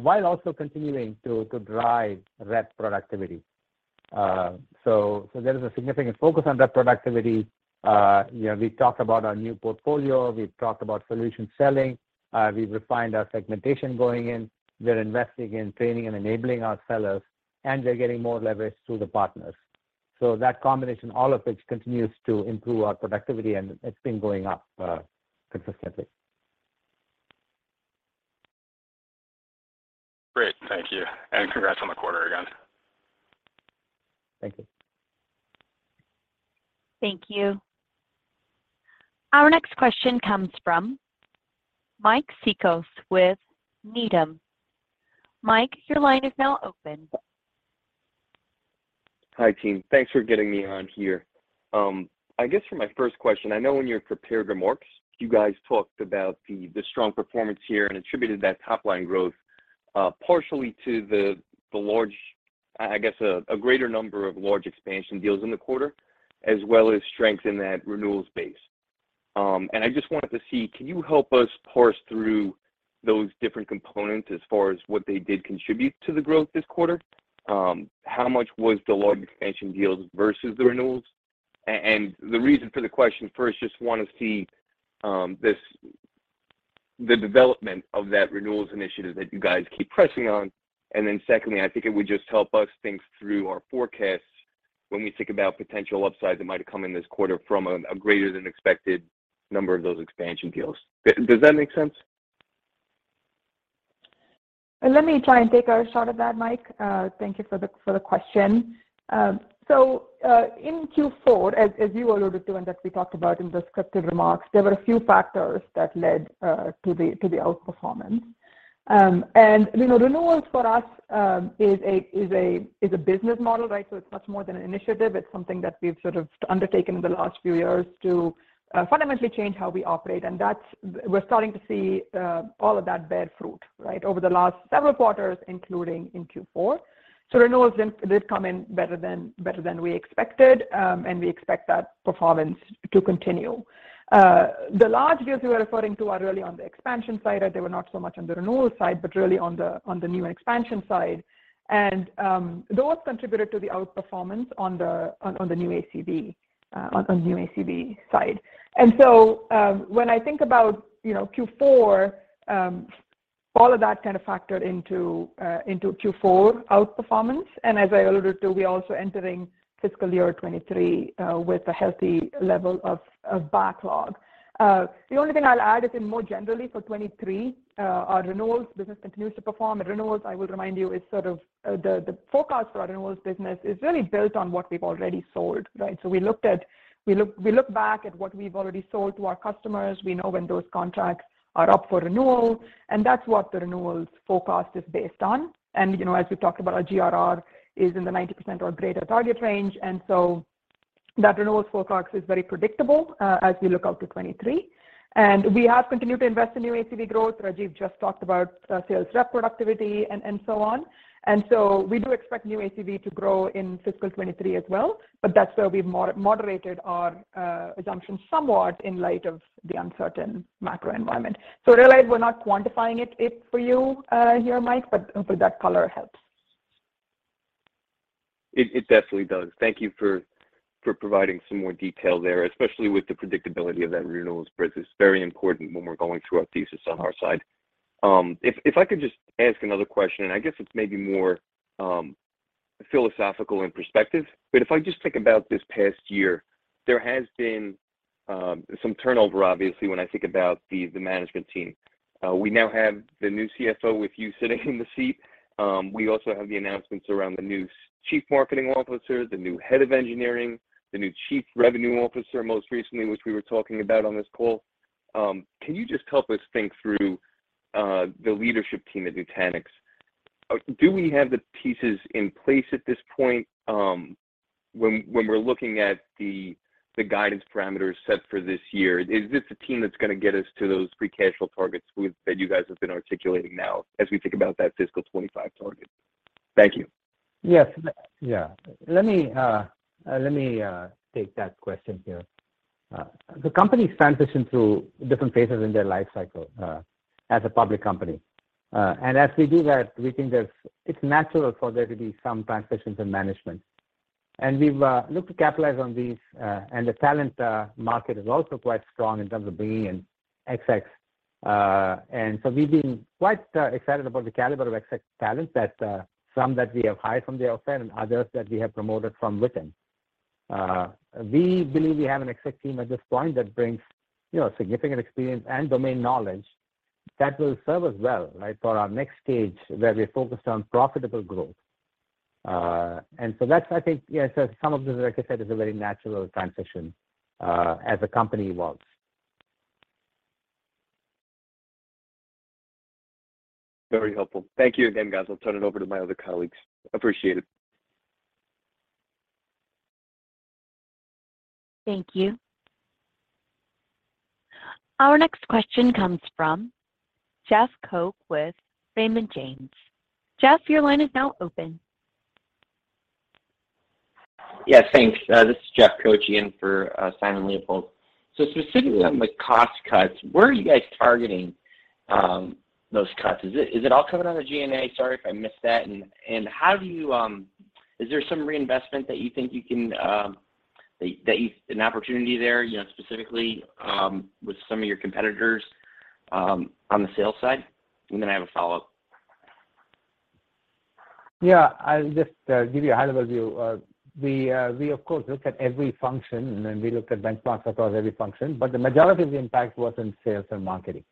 while also continuing to drive rep productivity. There is a significant focus on rep productivity. You know, we talked about our new portfolio, we've talked about solution selling, we've refined our segmentation going in. We're investing in training and enabling our sellers, and we're getting more leverage through the partners. That combination, all of which continues to improve our productivity, and it's been going up consistently. Great. Thank you. Congrats on the quarter again. Thank you. Thank you. Our next question comes from Mike Cikos with Needham. Mike, your line is now open. Hi, team. Thanks for getting me on here. I guess for my first question, I know when you prepared remarks, you guys talked about the strong performance here and attributed that top-line growth partially to the large, I guess, a greater number of large expansion deals in the quarter, as well as strength in that renewals base. I just wanted to see, can you help us parse through those different components as far as what they did contribute to the growth this quarter? How much was the large expansion deals versus the renewals? The reason for the question, first, just want to see, this the development of that renewals initiative that you guys keep pressing on. Then secondly, I think it would just help us think through our forecasts when we think about potential upsides that might have come in this quarter from a greater than expected number of those expansion deals. Does that make sense? Let me try and take a shot at that, Mike. Thank you for the question. In Q4, you alluded to, and as we talked about in the scripted remarks, there were a few factors that led to the outperformance. You know, renewals for us is a business model, right? It's much more than an initiative. It's something that we've sort of undertaken in the last few years to fundamentally change how we operate, and that's. We're starting to see all of that bear fruit, right? Over the last several quarters, including in Q4. Renewals did come in better than we expected, and we expect that performance to continue. The large deals we were referring to are really on the expansion side. They were not so much on the renewal side, but really on the new expansion side. Those contributed to the outperformance on the new ACV side. When I think about, you know, Q4, all of that kind of factored into Q4 outperformance. As I alluded to, we're also entering fiscal year 2023 with a healthy level of backlog. The only thing I'll add is, more generally, for 2023, our renewals business continues to perform. Renewals, I will remind you, is sort of the forecast for our renewals business is really built on what we've already sold, right? We look back at what we've already sold to our customers. We know when those contracts are up for renewal, and that's what the renewals forecast is based on. You know, as we've talked about, our GRR is in the 90% or greater target range. That renewals forecast is very predictable, as we look out to 2023. We have continued to invest in new ACV growth. Rajiv just talked about sales rep productivity and so on. We do expect new ACV to grow in fiscal 2023 as well, but that's where we've moderated our assumptions somewhat in light of the uncertain macro environment. Realize we're not quantifying it for you here, Mike, but hopefully that color helps. It definitely does. Thank you for providing some more detail there, especially with the predictability of that renewals business. Very important when we're going through our thesis on our side. If I could just ask another question. I guess it's maybe more philosophical in perspective, but if I just think about this past year, there has been some turnover, obviously, when I think about the management team. We now have the new CFO with you sitting in the seat. We also have the announcements around the new chief marketing officer, the new head of engineering, the new chief revenue officer most recently, which we were talking about on this call. Can you just help us think through the leadership team at Nutanix? Do we have the pieces in place at this point, when we're looking at the guidance parameters set for this year? Is this a team that's gonna get us to those free cash flow targets that you guys have been articulating now as we think about that fiscal 2025 target? Thank you. Yes. Yeah. Let me take that question here. The company's transitioned through different phases in their life cycle as a public company. As we do that, we think it's natural for there to be some transitions in management. We've looked to capitalize on these, and the talent market is also quite strong in terms of bringing in execs. We've been quite excited about the caliber of exec talent that some we have hired from the outside and others that we have promoted from within. We believe we have an exec team at this point that brings you know significant experience and domain knowledge that will serve us well right for our next stage where we're focused on profitable growth. That's, I think, yes, as some of this, like I said, is a very natural transition as a company evolves. Very helpful. Thank you again, guys. I'll turn it over to my other colleagues. Appreciate it. Thank you. Our next question comes from Jeff Koch with Raymond James. Jeff, your line is now open. Yeah, thanks. This is Jeff Koch in for Simon Leopold. Specifically on the cost cuts, where are you guys targeting those cuts? Is it all coming out of G&A? Sorry if I missed that. Is there some reinvestment that you think you can, an opportunity there, you know, specifically, with some of your competitors, on the sales side? I have a follow-up. Yeah. I'll just give you a high-level view. We of course look at every function, and then we look at benchmarks across every function. The majority of the impact was in sales and marketing.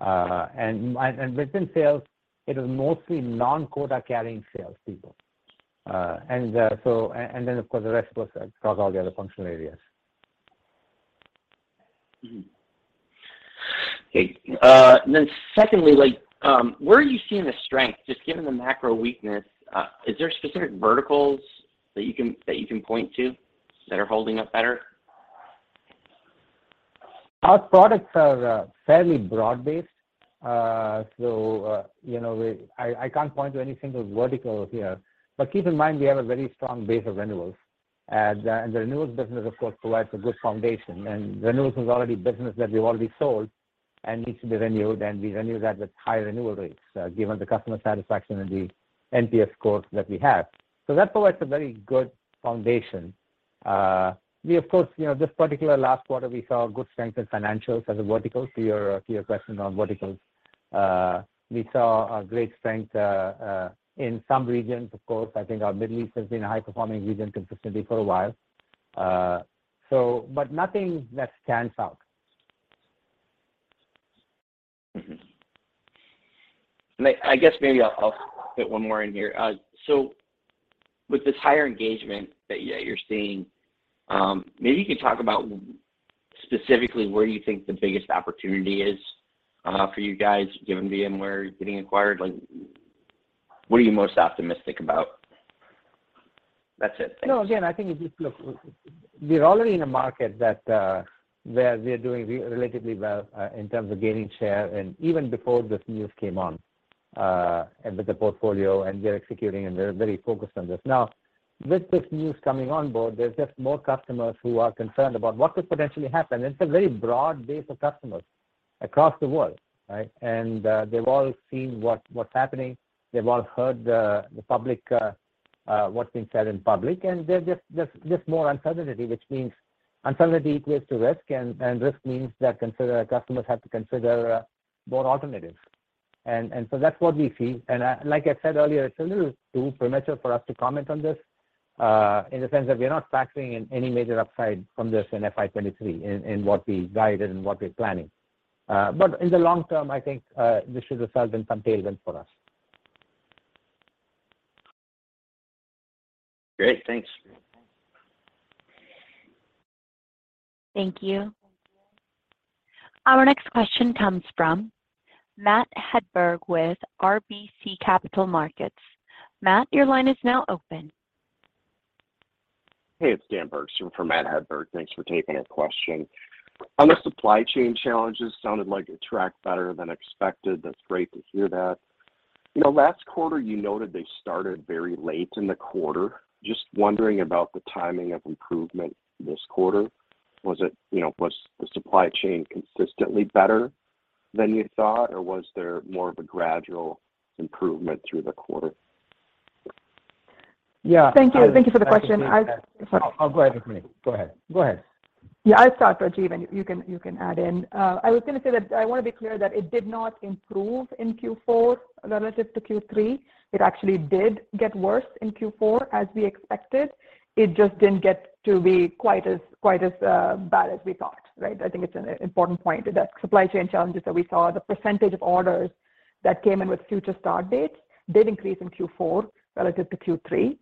Within sales, it was mostly non-quota carrying sales people. Then of course, the rest was across all the other functional areas. Mm-hmm. Okay. Secondly, like, where are you seeing the strength, just given the macro weakness, is there specific verticals that you can point to that are holding up better? Our products are fairly broad-based, so you know, I can't point to any single vertical here. Keep in mind we have a very strong base of renewals, and the renewals business, of course, provides a good foundation. Renewals is already business that we've already sold and needs to be renewed, and we renew that with high renewal rates, given the customer satisfaction and the NPS scores that we have. That provides a very good foundation. We, of course, this particular last quarter, we saw good strength in financials as a vertical to your question on verticals. We saw a great strength in some regions, of course. I think our Middle East has been a high-performing region consistently for a while, but nothing that stands out. Mm-hmm. I guess maybe I'll fit one more in here. With this higher engagement that you're seeing, maybe you could talk about specifically where you think the biggest opportunity is, for you guys, given VMware getting acquired. Like, what are you most optimistic about? That's it. Thanks. No, again, I think it's. Look, we're already in a market where we're doing relatively well in terms of gaining share and even before this news came on, and with the portfolio, and we are executing, and we're very focused on this. Now, with this news coming on board, there's just more customers who are concerned about what could potentially happen. It's a very broad base of customers across the world, right? They've all seen what's happening. They've all heard the public what's been said in public, and there's just more uncertainty, which means uncertainty equates to risk, and risk means that customers have to consider more alternatives. That's what we see. Like I said earlier, it's a little too premature for us to comment on this in the sense that we are not factoring in any major upside from this in FY 2023 in what we guided and what we're planning. In the long-term, I think this should result in some tailwind for us. Great. Thanks. Thank you. Our next question comes from Matthew Hedberg with RBC Capital Markets. Matt, your line is now open. Hey, it's Dan Bergstrom for Matthew Hedberg. Thanks for taking the question. On the supply chain challenges, sounded like it tracked better than expected. That's great to hear that. You know, last quarter, you noted they started very late in the quarter. Just wondering about the timing of improvement this quarter. You know, was the supply chain consistently better than you thought, or was there more of a gradual improvement through the quarter? Yeah. Thank you. Thank you for the question. Oh, go ahead, Rukmini Sivaraman. Go ahead. Yeah, I'll start, Rajiv, and you can add in. I was gonna say that I wanna be clear that it did not improve in Q4 relative to Q3. It actually did get worse in Q4 as we expected. It just didn't get to be quite as bad as we thought, right? I think it's an important point that supply chain challenges that we saw, the percentage of orders that came in with future start dates did increase in Q4 relative to Q3.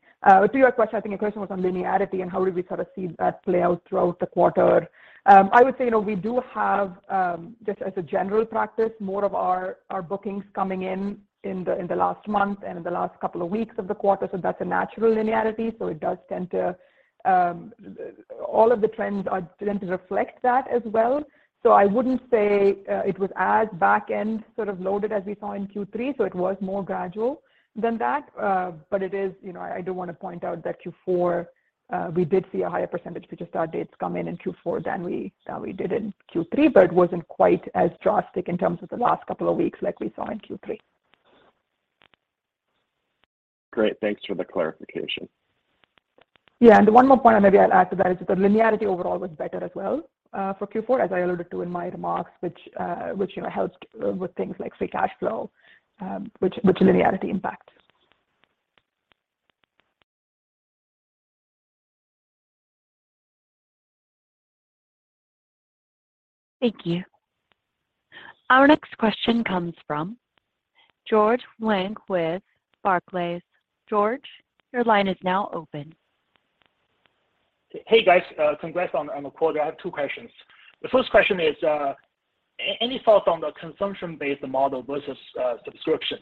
To your question, I think your question was on linearity and how did we sort of see that play out throughout the quarter. I would say, you know, we do have, just as a general practice, more of our bookings coming in in the last month and in the last couple of weeks of the quarter, so that's a natural linearity, so it does tend to, all of the trends tend to reflect that as well. I wouldn't say it was as back-end sort of loaded as we saw in Q3, so it was more gradual than that. It is, you know, I do wanna point out that Q4, we did see a higher percentage of future start dates come in in Q4 than we did in Q3, but it wasn't quite as drastic in terms of the last couple of weeks like we saw in Q3. Great. Thanks for the clarification. Yeah. One more point, maybe I'll add to that, is that the linearity overall was better as well, for Q4, as I alluded to in my remarks, which you know, helps with things like free cash flow, which linearity impacts. Thank you. Our next question comes from George Wang with Barclays. George, your line is now open. Hey, guys. Congrats on the quarter. I have two questions. The first question is, any thoughts on the consumption-based model versus subscription?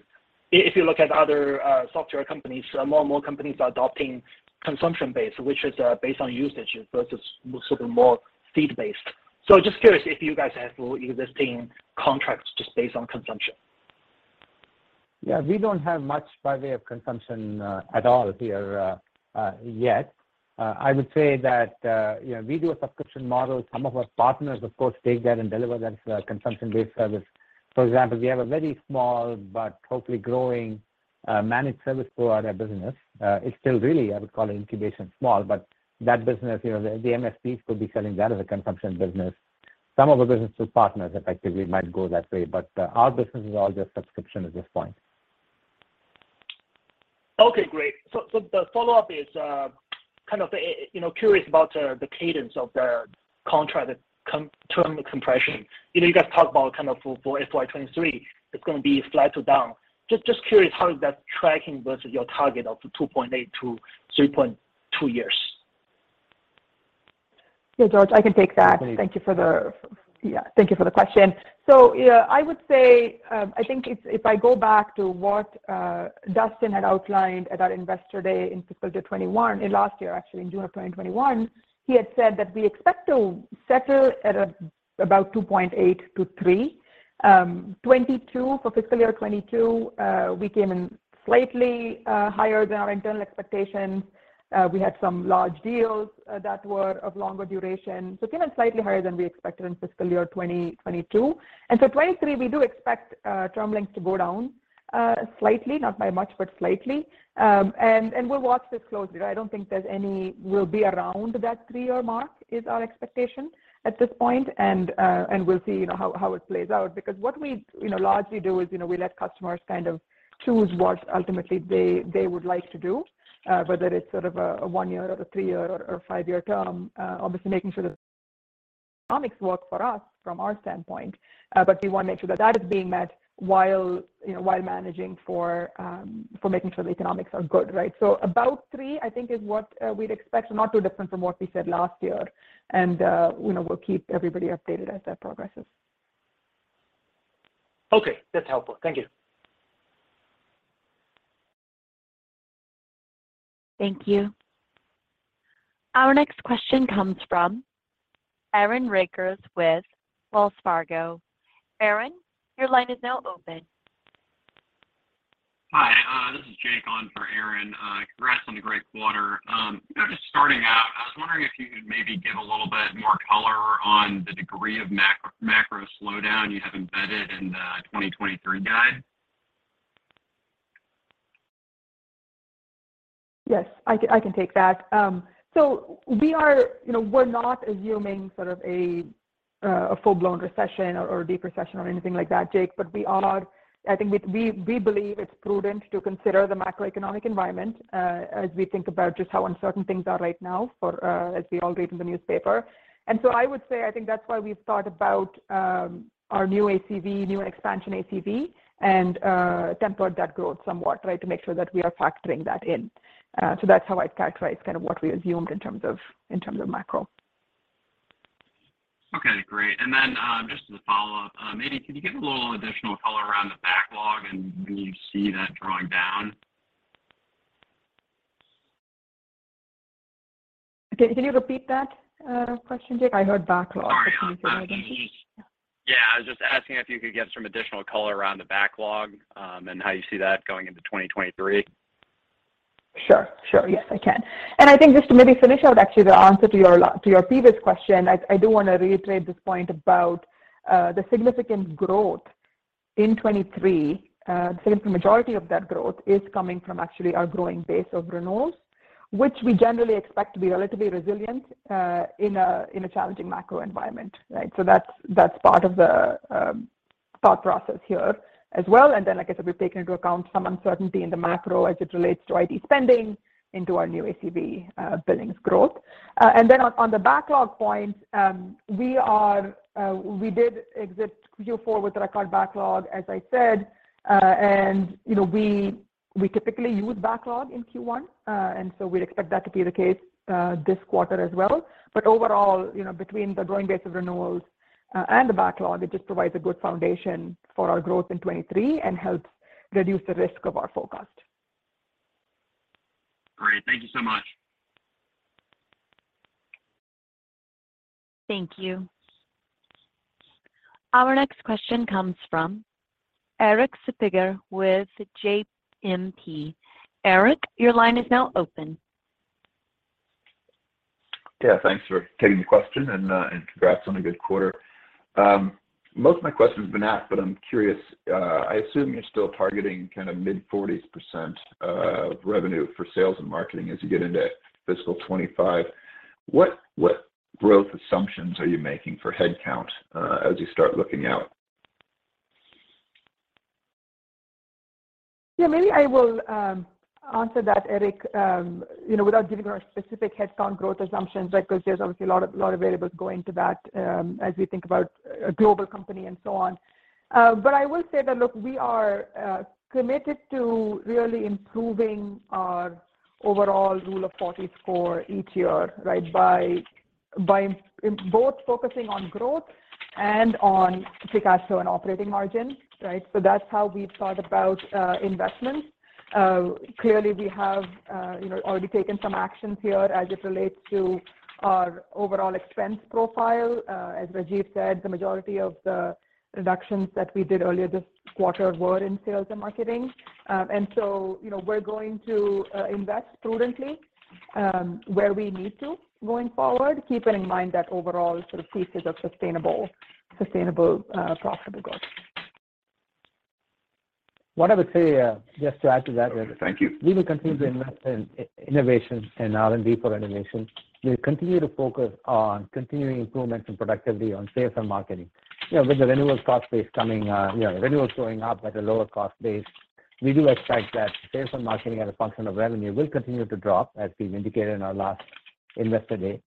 If you look at other software companies, more and more companies are adopting consumption-based, which is based on usage versus sort of more fee-based. Just curious if you guys have existing contracts just based on consumption. Yeah. We don't have much by way of consumption at all here yet. I would say that, you know, we do a subscription model. Some of our partners of course take that and deliver that as a consumption-based service. For example, we have a very small but hopefully growing managed service provider business. It's still really, I would call it incubation small, but that business, you know, the MSPs could be selling that as a consumption business. Some of the business through partners effectively might go that way, but our business is all just subscription at this point. Okay, great. The follow-up is kind of you know curious about the cadence of the contract term compression. You know, you guys talk about kind of for FY 2023, it's gonna be flat to down. Just curious how that's tracking versus your target of 2.8-3.2 years. Yeah, George, I can take that. Thank you for the question. I would say, I think it's if I go back to what Dustin had outlined at our Investor Day in fiscal year 2021, in last year, actually, in June of 2021, he had said that we expect to settle at about 2.8-3. 2022, for fiscal year 2022, we came in slightly higher than our internal expectations. We had some large deals that were of longer duration. It came in slightly higher than we expected in fiscal year 2022. 2023, we do expect term lengths to go down slightly, not by much, but slightly. And we'll watch this closely. I don't think there's any. We'll be around that three-year mark. That is our expectation at this point. We'll see, you know, how it plays out. Because what we, you know, largely do is, you know, we let customers kind of choose what ultimately they would like to do, whether it's sort of a one-year or a three-year or five-year term. Obviously making sure the economics work for us from our standpoint. We wanna make sure that is being met while, you know, while managing for making sure the economics are good, right? About three, I think, is what we'd expect. Not too different from what we said last year. You know, we'll keep everybody updated as that progresses. Okay. That's helpful. Thank you. Thank you. Our next question comes from Aaron Rakers with Wells Fargo. Aaron, your line is now open. Hi, this is Jake on for Aaron. Congrats on the great quarter. You know, just starting out, I was wondering if you could maybe give a little bit more color on the degree of macro slowdown you have embedded in the 2023 guide. Yes. I can take that. You know, we're not assuming sort of a full-blown recession or a deep recession or anything like that, Jake. We are. I think we believe it's prudent to consider the macroeconomic environment, as we think about just how uncertain things are right now, as we all read in the newspaper. I would say I think that's why we've thought about our new ACV, new expansion ACV, and tempered that growth somewhat, right? To make sure that we are factoring that in. That's how I'd characterize kind of what we assumed in terms of macro. Okay. Great. Just as a follow-up, maybe can you give a little additional color around the backlog and do you see that drawing down? Okay. Can you repeat that question, Jake? I heard backlog. Sorry. Yeah, I was just asking if you could give some additional color around the backlog, and how you see that going into 2023. Sure. Yes, I can. I think just to maybe finish out actually the answer to your previous question, I do wanna reiterate this point about the significant growth in 2023. Significant majority of that growth is coming from actually our growing base of renewals, which we generally expect to be relatively resilient in a challenging macro environment, right? That's part of the thought process here as well. Like I said, we've taken into account some uncertainty in the macro as it relates to IT spending into our new ACV billings growth. On the backlog point, we did exit Q4 with record backlog, as I said. You know, we typically use backlog in Q1, and so we'd expect that to be the case this quarter as well. Overall, you know, between the growing base of renewals and the backlog, it just provides a good foundation for our growth in 2023 and helps reduce the risk of our forecast. Great. Thank you so much. Thank you. Our next question comes from Erik Suppiger with JMP. Erik, your line is now open. Thanks for taking the question and congrats on a good quarter. Most of my question's been asked, but I'm curious. I assume you're still targeting kind of mid-40s% revenue for sales and marketing as you get into fiscal 2025. What growth assumptions are you making for headcount as you start looking out? Yeah, maybe I will answer that, Erik, you know, without giving our specific headcount growth assumptions, right? 'Cause there's obviously a lot of variables go into that, as we think about a global company and so on. I will say that, look, we are committed to really improving our overall rule of 40s for each year, right? By both focusing on growth and on OpEx and operating margin, right? That's how we've thought about investments. Clearly we have, you know, already taken some actions here as it relates to our overall expense profile. As Rajiv said, the majority of the reductions that we did earlier this quarter were in sales and marketing. You know, we're going to invest prudently where we need to going forward, keeping in mind that overall sort of pieces of sustainable profitable growth. What I would say, just to add to that. Okay. Thank you. We will continue to invest in innovation and R&D for innovation. We'll continue to focus on continuing improvements in productivity on sales and marketing. You know, with the renewals cost base coming, you know, renewals showing up at a lower cost base, we do expect that sales and marketing as a function of revenue will continue to drop, as we've indicated in our last Investor Day.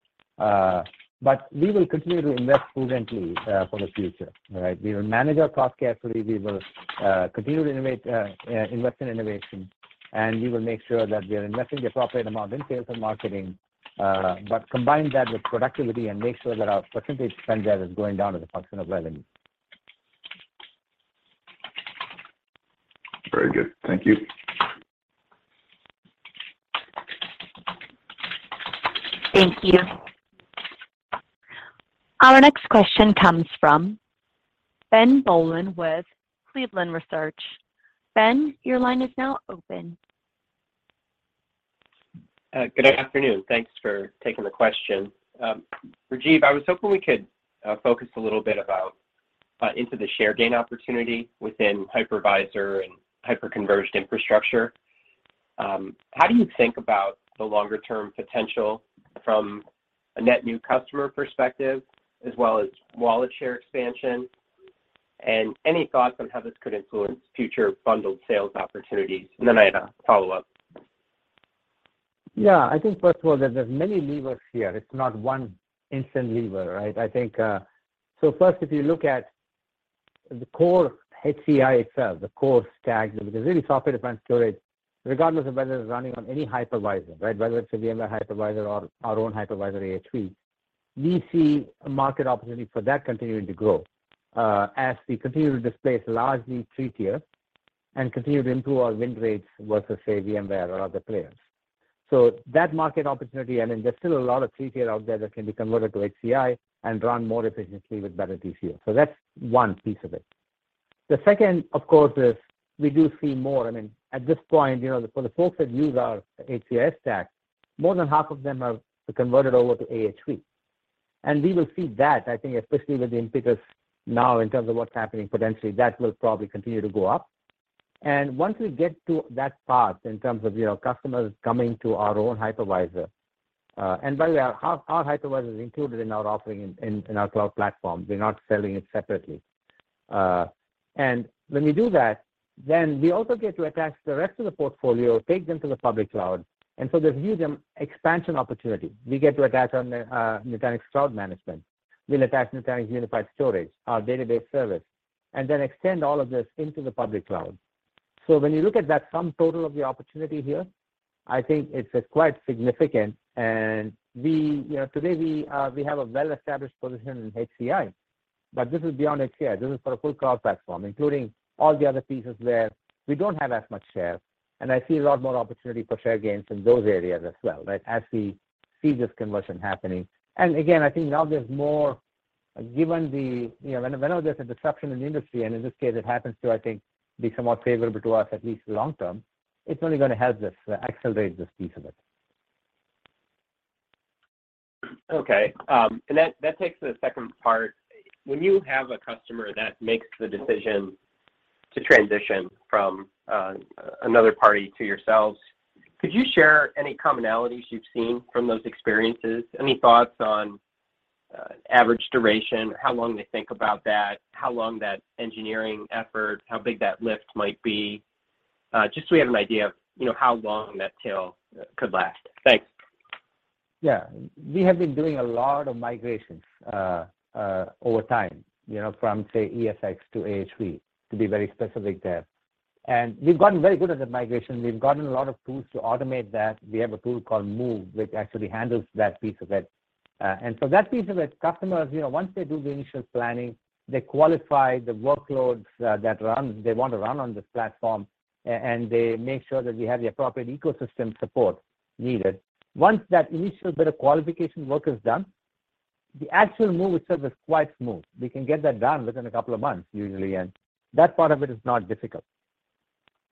We will continue to invest prudently, for the future, right? We will manage our cost carefully. We will continue to innovate, invest in innovation, and we will make sure that we are investing the appropriate amount in sales and marketing, but combine that with productivity and make sure that our percentage spend there is going down as a function of revenue. Very good. Thank you. Thank you. Our next question comes from Ben Bollin with Cleveland Research. Ben, your line is now open. Good afternoon. Thanks for taking the question. Rajiv, I was hoping we could focus a little bit on the share gain opportunity within hypervisor and hyper-converged infrastructure. How do you think about the longer-term potential from a net new customer perspective as well as wallet share expansion? Any thoughts on how this could influence future bundled sales opportunities? I had a follow-up. Yeah. I think first of all that there's many levers here. It's not one instant lever, right? I think, first, if you look at the core HCI itself, the core stack, the really software-defined storage, regardless of whether it's running on any hypervisor, right? Whether it's a VMware hypervisor or our own hypervisor, AHV. We see a market opportunity for that continuing to grow, as we continue to displace largely three-tier and continue to improve our win rates versus, say, VMware or other players. That market opportunity, I mean, there's still a lot of three-tier out there that can be converted to HCI and run more efficiently with better TCO. That's one piece of it. The second, of course, is we do see more. I mean, at this point, you know, for the folks that use our HCI stack, more than half of them have converted over to AHV. We will see that, I think, especially with the impetus now in terms of what's happening potentially, that will probably continue to go up. Once we get to that path in terms of, you know, customers coming to our own hypervisor, and by the way, our hypervisor is included in our offering in our cloud platform. We're not selling it separately. When we do that, then we also get to attach the rest of the portfolio, take them to the public cloud, and so there's huge expansion opportunity. We get to attach on the Nutanix Cloud Manager. We'll attach Nutanix Unified Storage, our database service, and then extend all of this into the public cloud. When you look at that sum total of the opportunity here, I think it's quite significant. You know, today we have a well-established position in HCI, but this is beyond HCI. This is for a full cloud platform, including all the other pieces where we don't have as much share, and I see a lot more opportunity for share gains in those areas as well, right? As we see this conversion happening. Again, I think now there's more given the, you know, when there's a disruption in the industry, and in this case it happens to, I think, be somewhat favorable to us, at least long-term, it's only going to help this, accelerate this piece of it. Okay. That takes the second part. When you have a customer that makes the decision to transition from another party to yourselves, could you share any commonalities you've seen from those experiences? Any thoughts on average duration, how long they think about that, how long that engineering effort, how big that lift might be? Just so we have an idea of, you know, how long that tail could last. Thanks. Yeah. We have been doing a lot of migrations over time, you know, from, say, ESX to AHV, to be very specific there. We've gotten very good at the migration. We've gotten a lot of tools to automate that. We have a tool called Move, which actually handles that piece of it. That piece of it, customers, you know, once they do the initial planning, they qualify the workloads that they want to run on this platform and they make sure that we have the appropriate ecosystem support needed. Once that initial bit of qualification work is done, the actual move itself is quite smooth. We can get that done within a couple of months usually, and that part of it is not difficult.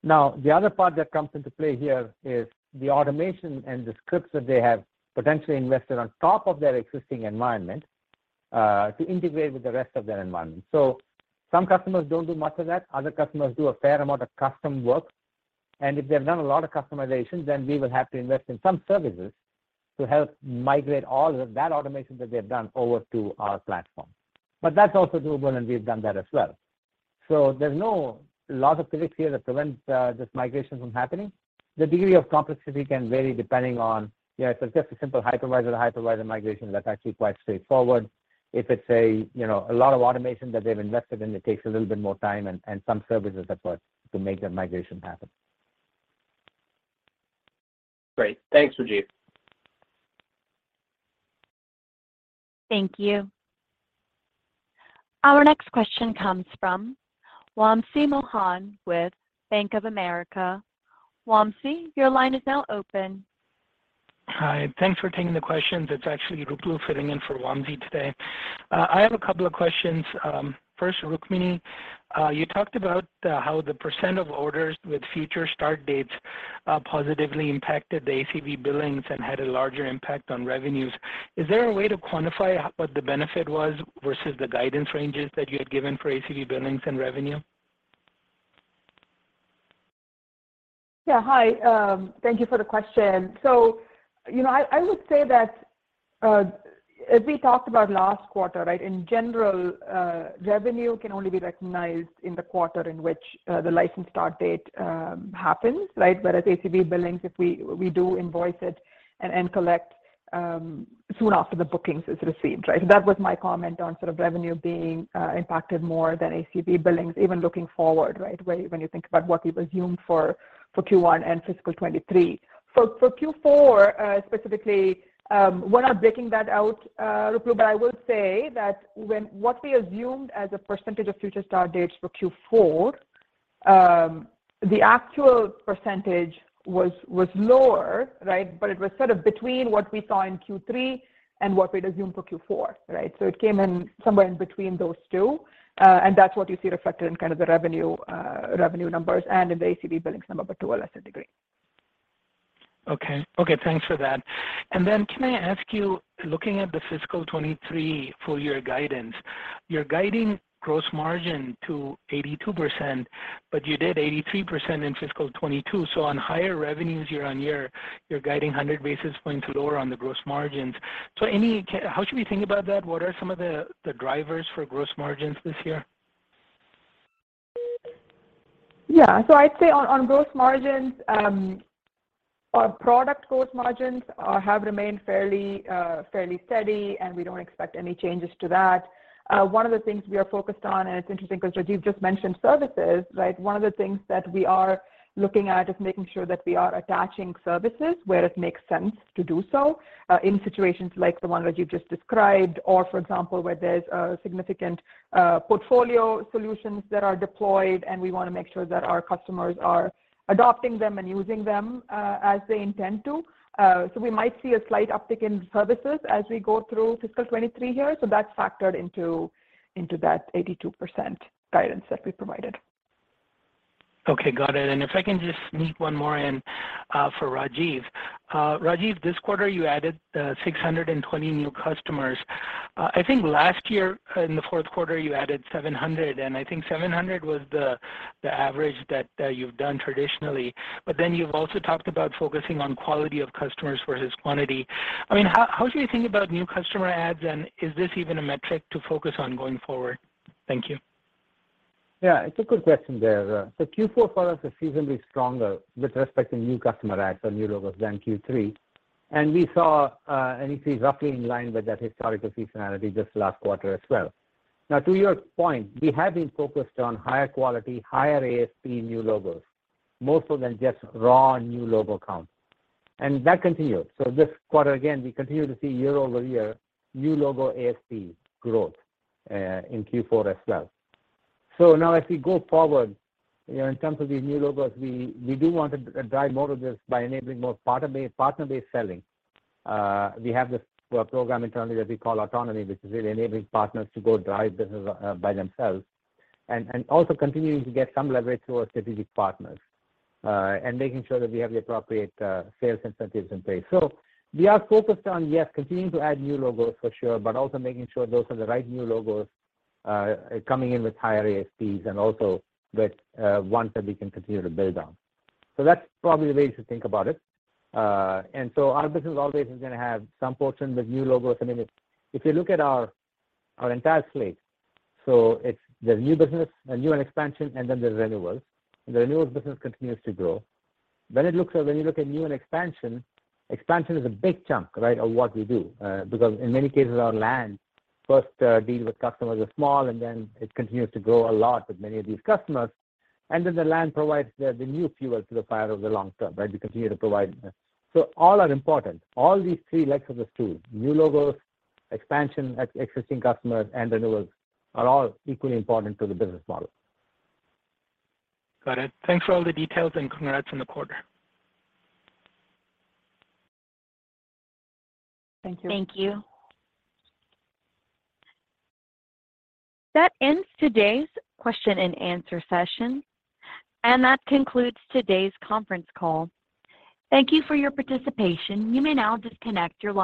Now, the other part that comes into play here is the automation and the scripts that they have potentially invested on top of their existing environment to integrate with the rest of their environment. Some customers don't do much of that. Other customers do a fair amount of custom work, and if they've done a lot of customization, then we will have to invest in some services to help migrate all of that automation that they've done over to our platform. That's also doable, and we've done that as well. There's no laws of physics here that prevent this migration from happening. The degree of complexity can vary depending on, you know, if it's just a simple hypervisor-to-hypervisor migration, that's actually quite straightforward. If it's, you know, a lot of automation that they've invested in, it takes a little bit more time and some services effort to make that migration happen. Great. Thanks, Rajiv. Thank you. Our next question comes from Wamsi Mohan with Bank of America. Wamsi, your line is now open. Hi. Thanks for taking the questions. It's actually Ruplu filling in for Wamsi today. I have a couple of questions. First, Rukmini, you talked about how the percent of orders with future start dates positively impacted the ACV billings and had a larger impact on revenues. Is there a way to quantify what the benefit was versus the guidance ranges that you had given for ACV billings and revenue? Yeah. Hi, thank you for the question. You know, I would say that as we talked about last quarter, right, in general, revenue can only be recognized in the quarter in which the license start date happens, right? Whereas ACV billings, if we do invoice it and collect soon after the bookings is received, right? That was my comment on sort of revenue being impacted more than ACV billings, even looking forward, right? When you think about what we've assumed for Q1 and fiscal 2023. For Q4 specifically, we're not breaking that out, Ruplu, but I would say that what we assumed as a percentage of future start dates for Q4, the actual percentage was lower, right? It was sort of between what we saw in Q3 and what we'd assumed for Q4, right? It came in somewhere in between those two, and that's what you see reflected in kind of the revenue numbers and in the ACV billings number, but to a lesser degree. Okay. Okay, thanks for that. Can I ask you, looking at the fiscal 2023 full year guidance, you're guiding gross margin to 82%, but you did 83% in fiscal 2022. On higher revenues year-on-year, you're guiding 100 basis points lower on the gross margins. How should we think about that? What are some of the drivers for gross margins this year? Yeah. I'd say on gross margins, our product gross margins have remained fairly steady, and we don't expect any changes to that. One of the things we are focused on, and it's interesting 'cause Rajiv just mentioned services, right? One of the things that we are looking at is making sure that we are attaching services where it makes sense to do so, in situations like the one Rajiv just described or, for example, where there's significant portfolio solutions that are deployed, and we wanna make sure that our customers are adopting them and using them as they intend to. We might see a slight uptick in services as we go through fiscal 2023 here. That's factored into that 82% guidance that we provided. Okay, got it. If I can just sneak one more in, for Rajiv. Rajiv, this quarter you added 620 new customers. I think last year in the fourth quarter you added 700, and I think 700 was the average that you've done traditionally. You've also talked about focusing on quality of customers versus quantity. I mean, how should we think about new customer adds, and is this even a metric to focus on going forward? Thank you. Yeah, it's a good question there. Q4 for us is seasonally stronger with respect to new customer adds or new logos than Q3. You see roughly in line with that historical seasonality this last quarter as well. Now, to your point, we have been focused on higher quality, higher ASP new logos more so than just raw new logo count, and that continues. This quarter, again, we continue to see year-over-year new logo ASP growth in Q4 as well. Now as we go forward, you know, in terms of these new logos, we do want to drive more of this by enabling more partner-based selling. We have this program internally that we call Autonomy, which is really enabling partners to go drive business by themselves and also continuing to get some leverage through our strategic partners and making sure that we have the appropriate sales incentives in place. We are focused on, yes, continuing to add new logos for sure, but also making sure those are the right new logos coming in with higher ASPs and also with ones that we can continue to build on. That's probably the way to think about it. Our business always is gonna have some portion with new logos and expansion. If you look at our entire slate, it's the new business, net expansion, and then there's renewals. The renewals business continues to grow. When you look at new and expansion is a big chunk, right, of what we do. Because in many cases our land first deals with customers are small, and then it continues to grow a lot with many of these customers. The land provides the new fuel to the fire over the long-term, right? We continue to provide. All are important. All these three legs of the stool, new logos, expansion at existing customers, and renewals are all equally important to the business model. Got it. Thanks for all the details, and congrats on the quarter. Thank you. Thank you. That ends today's question and answer session, and that concludes today's conference call. Thank you for your participation. You may now disconnect your line.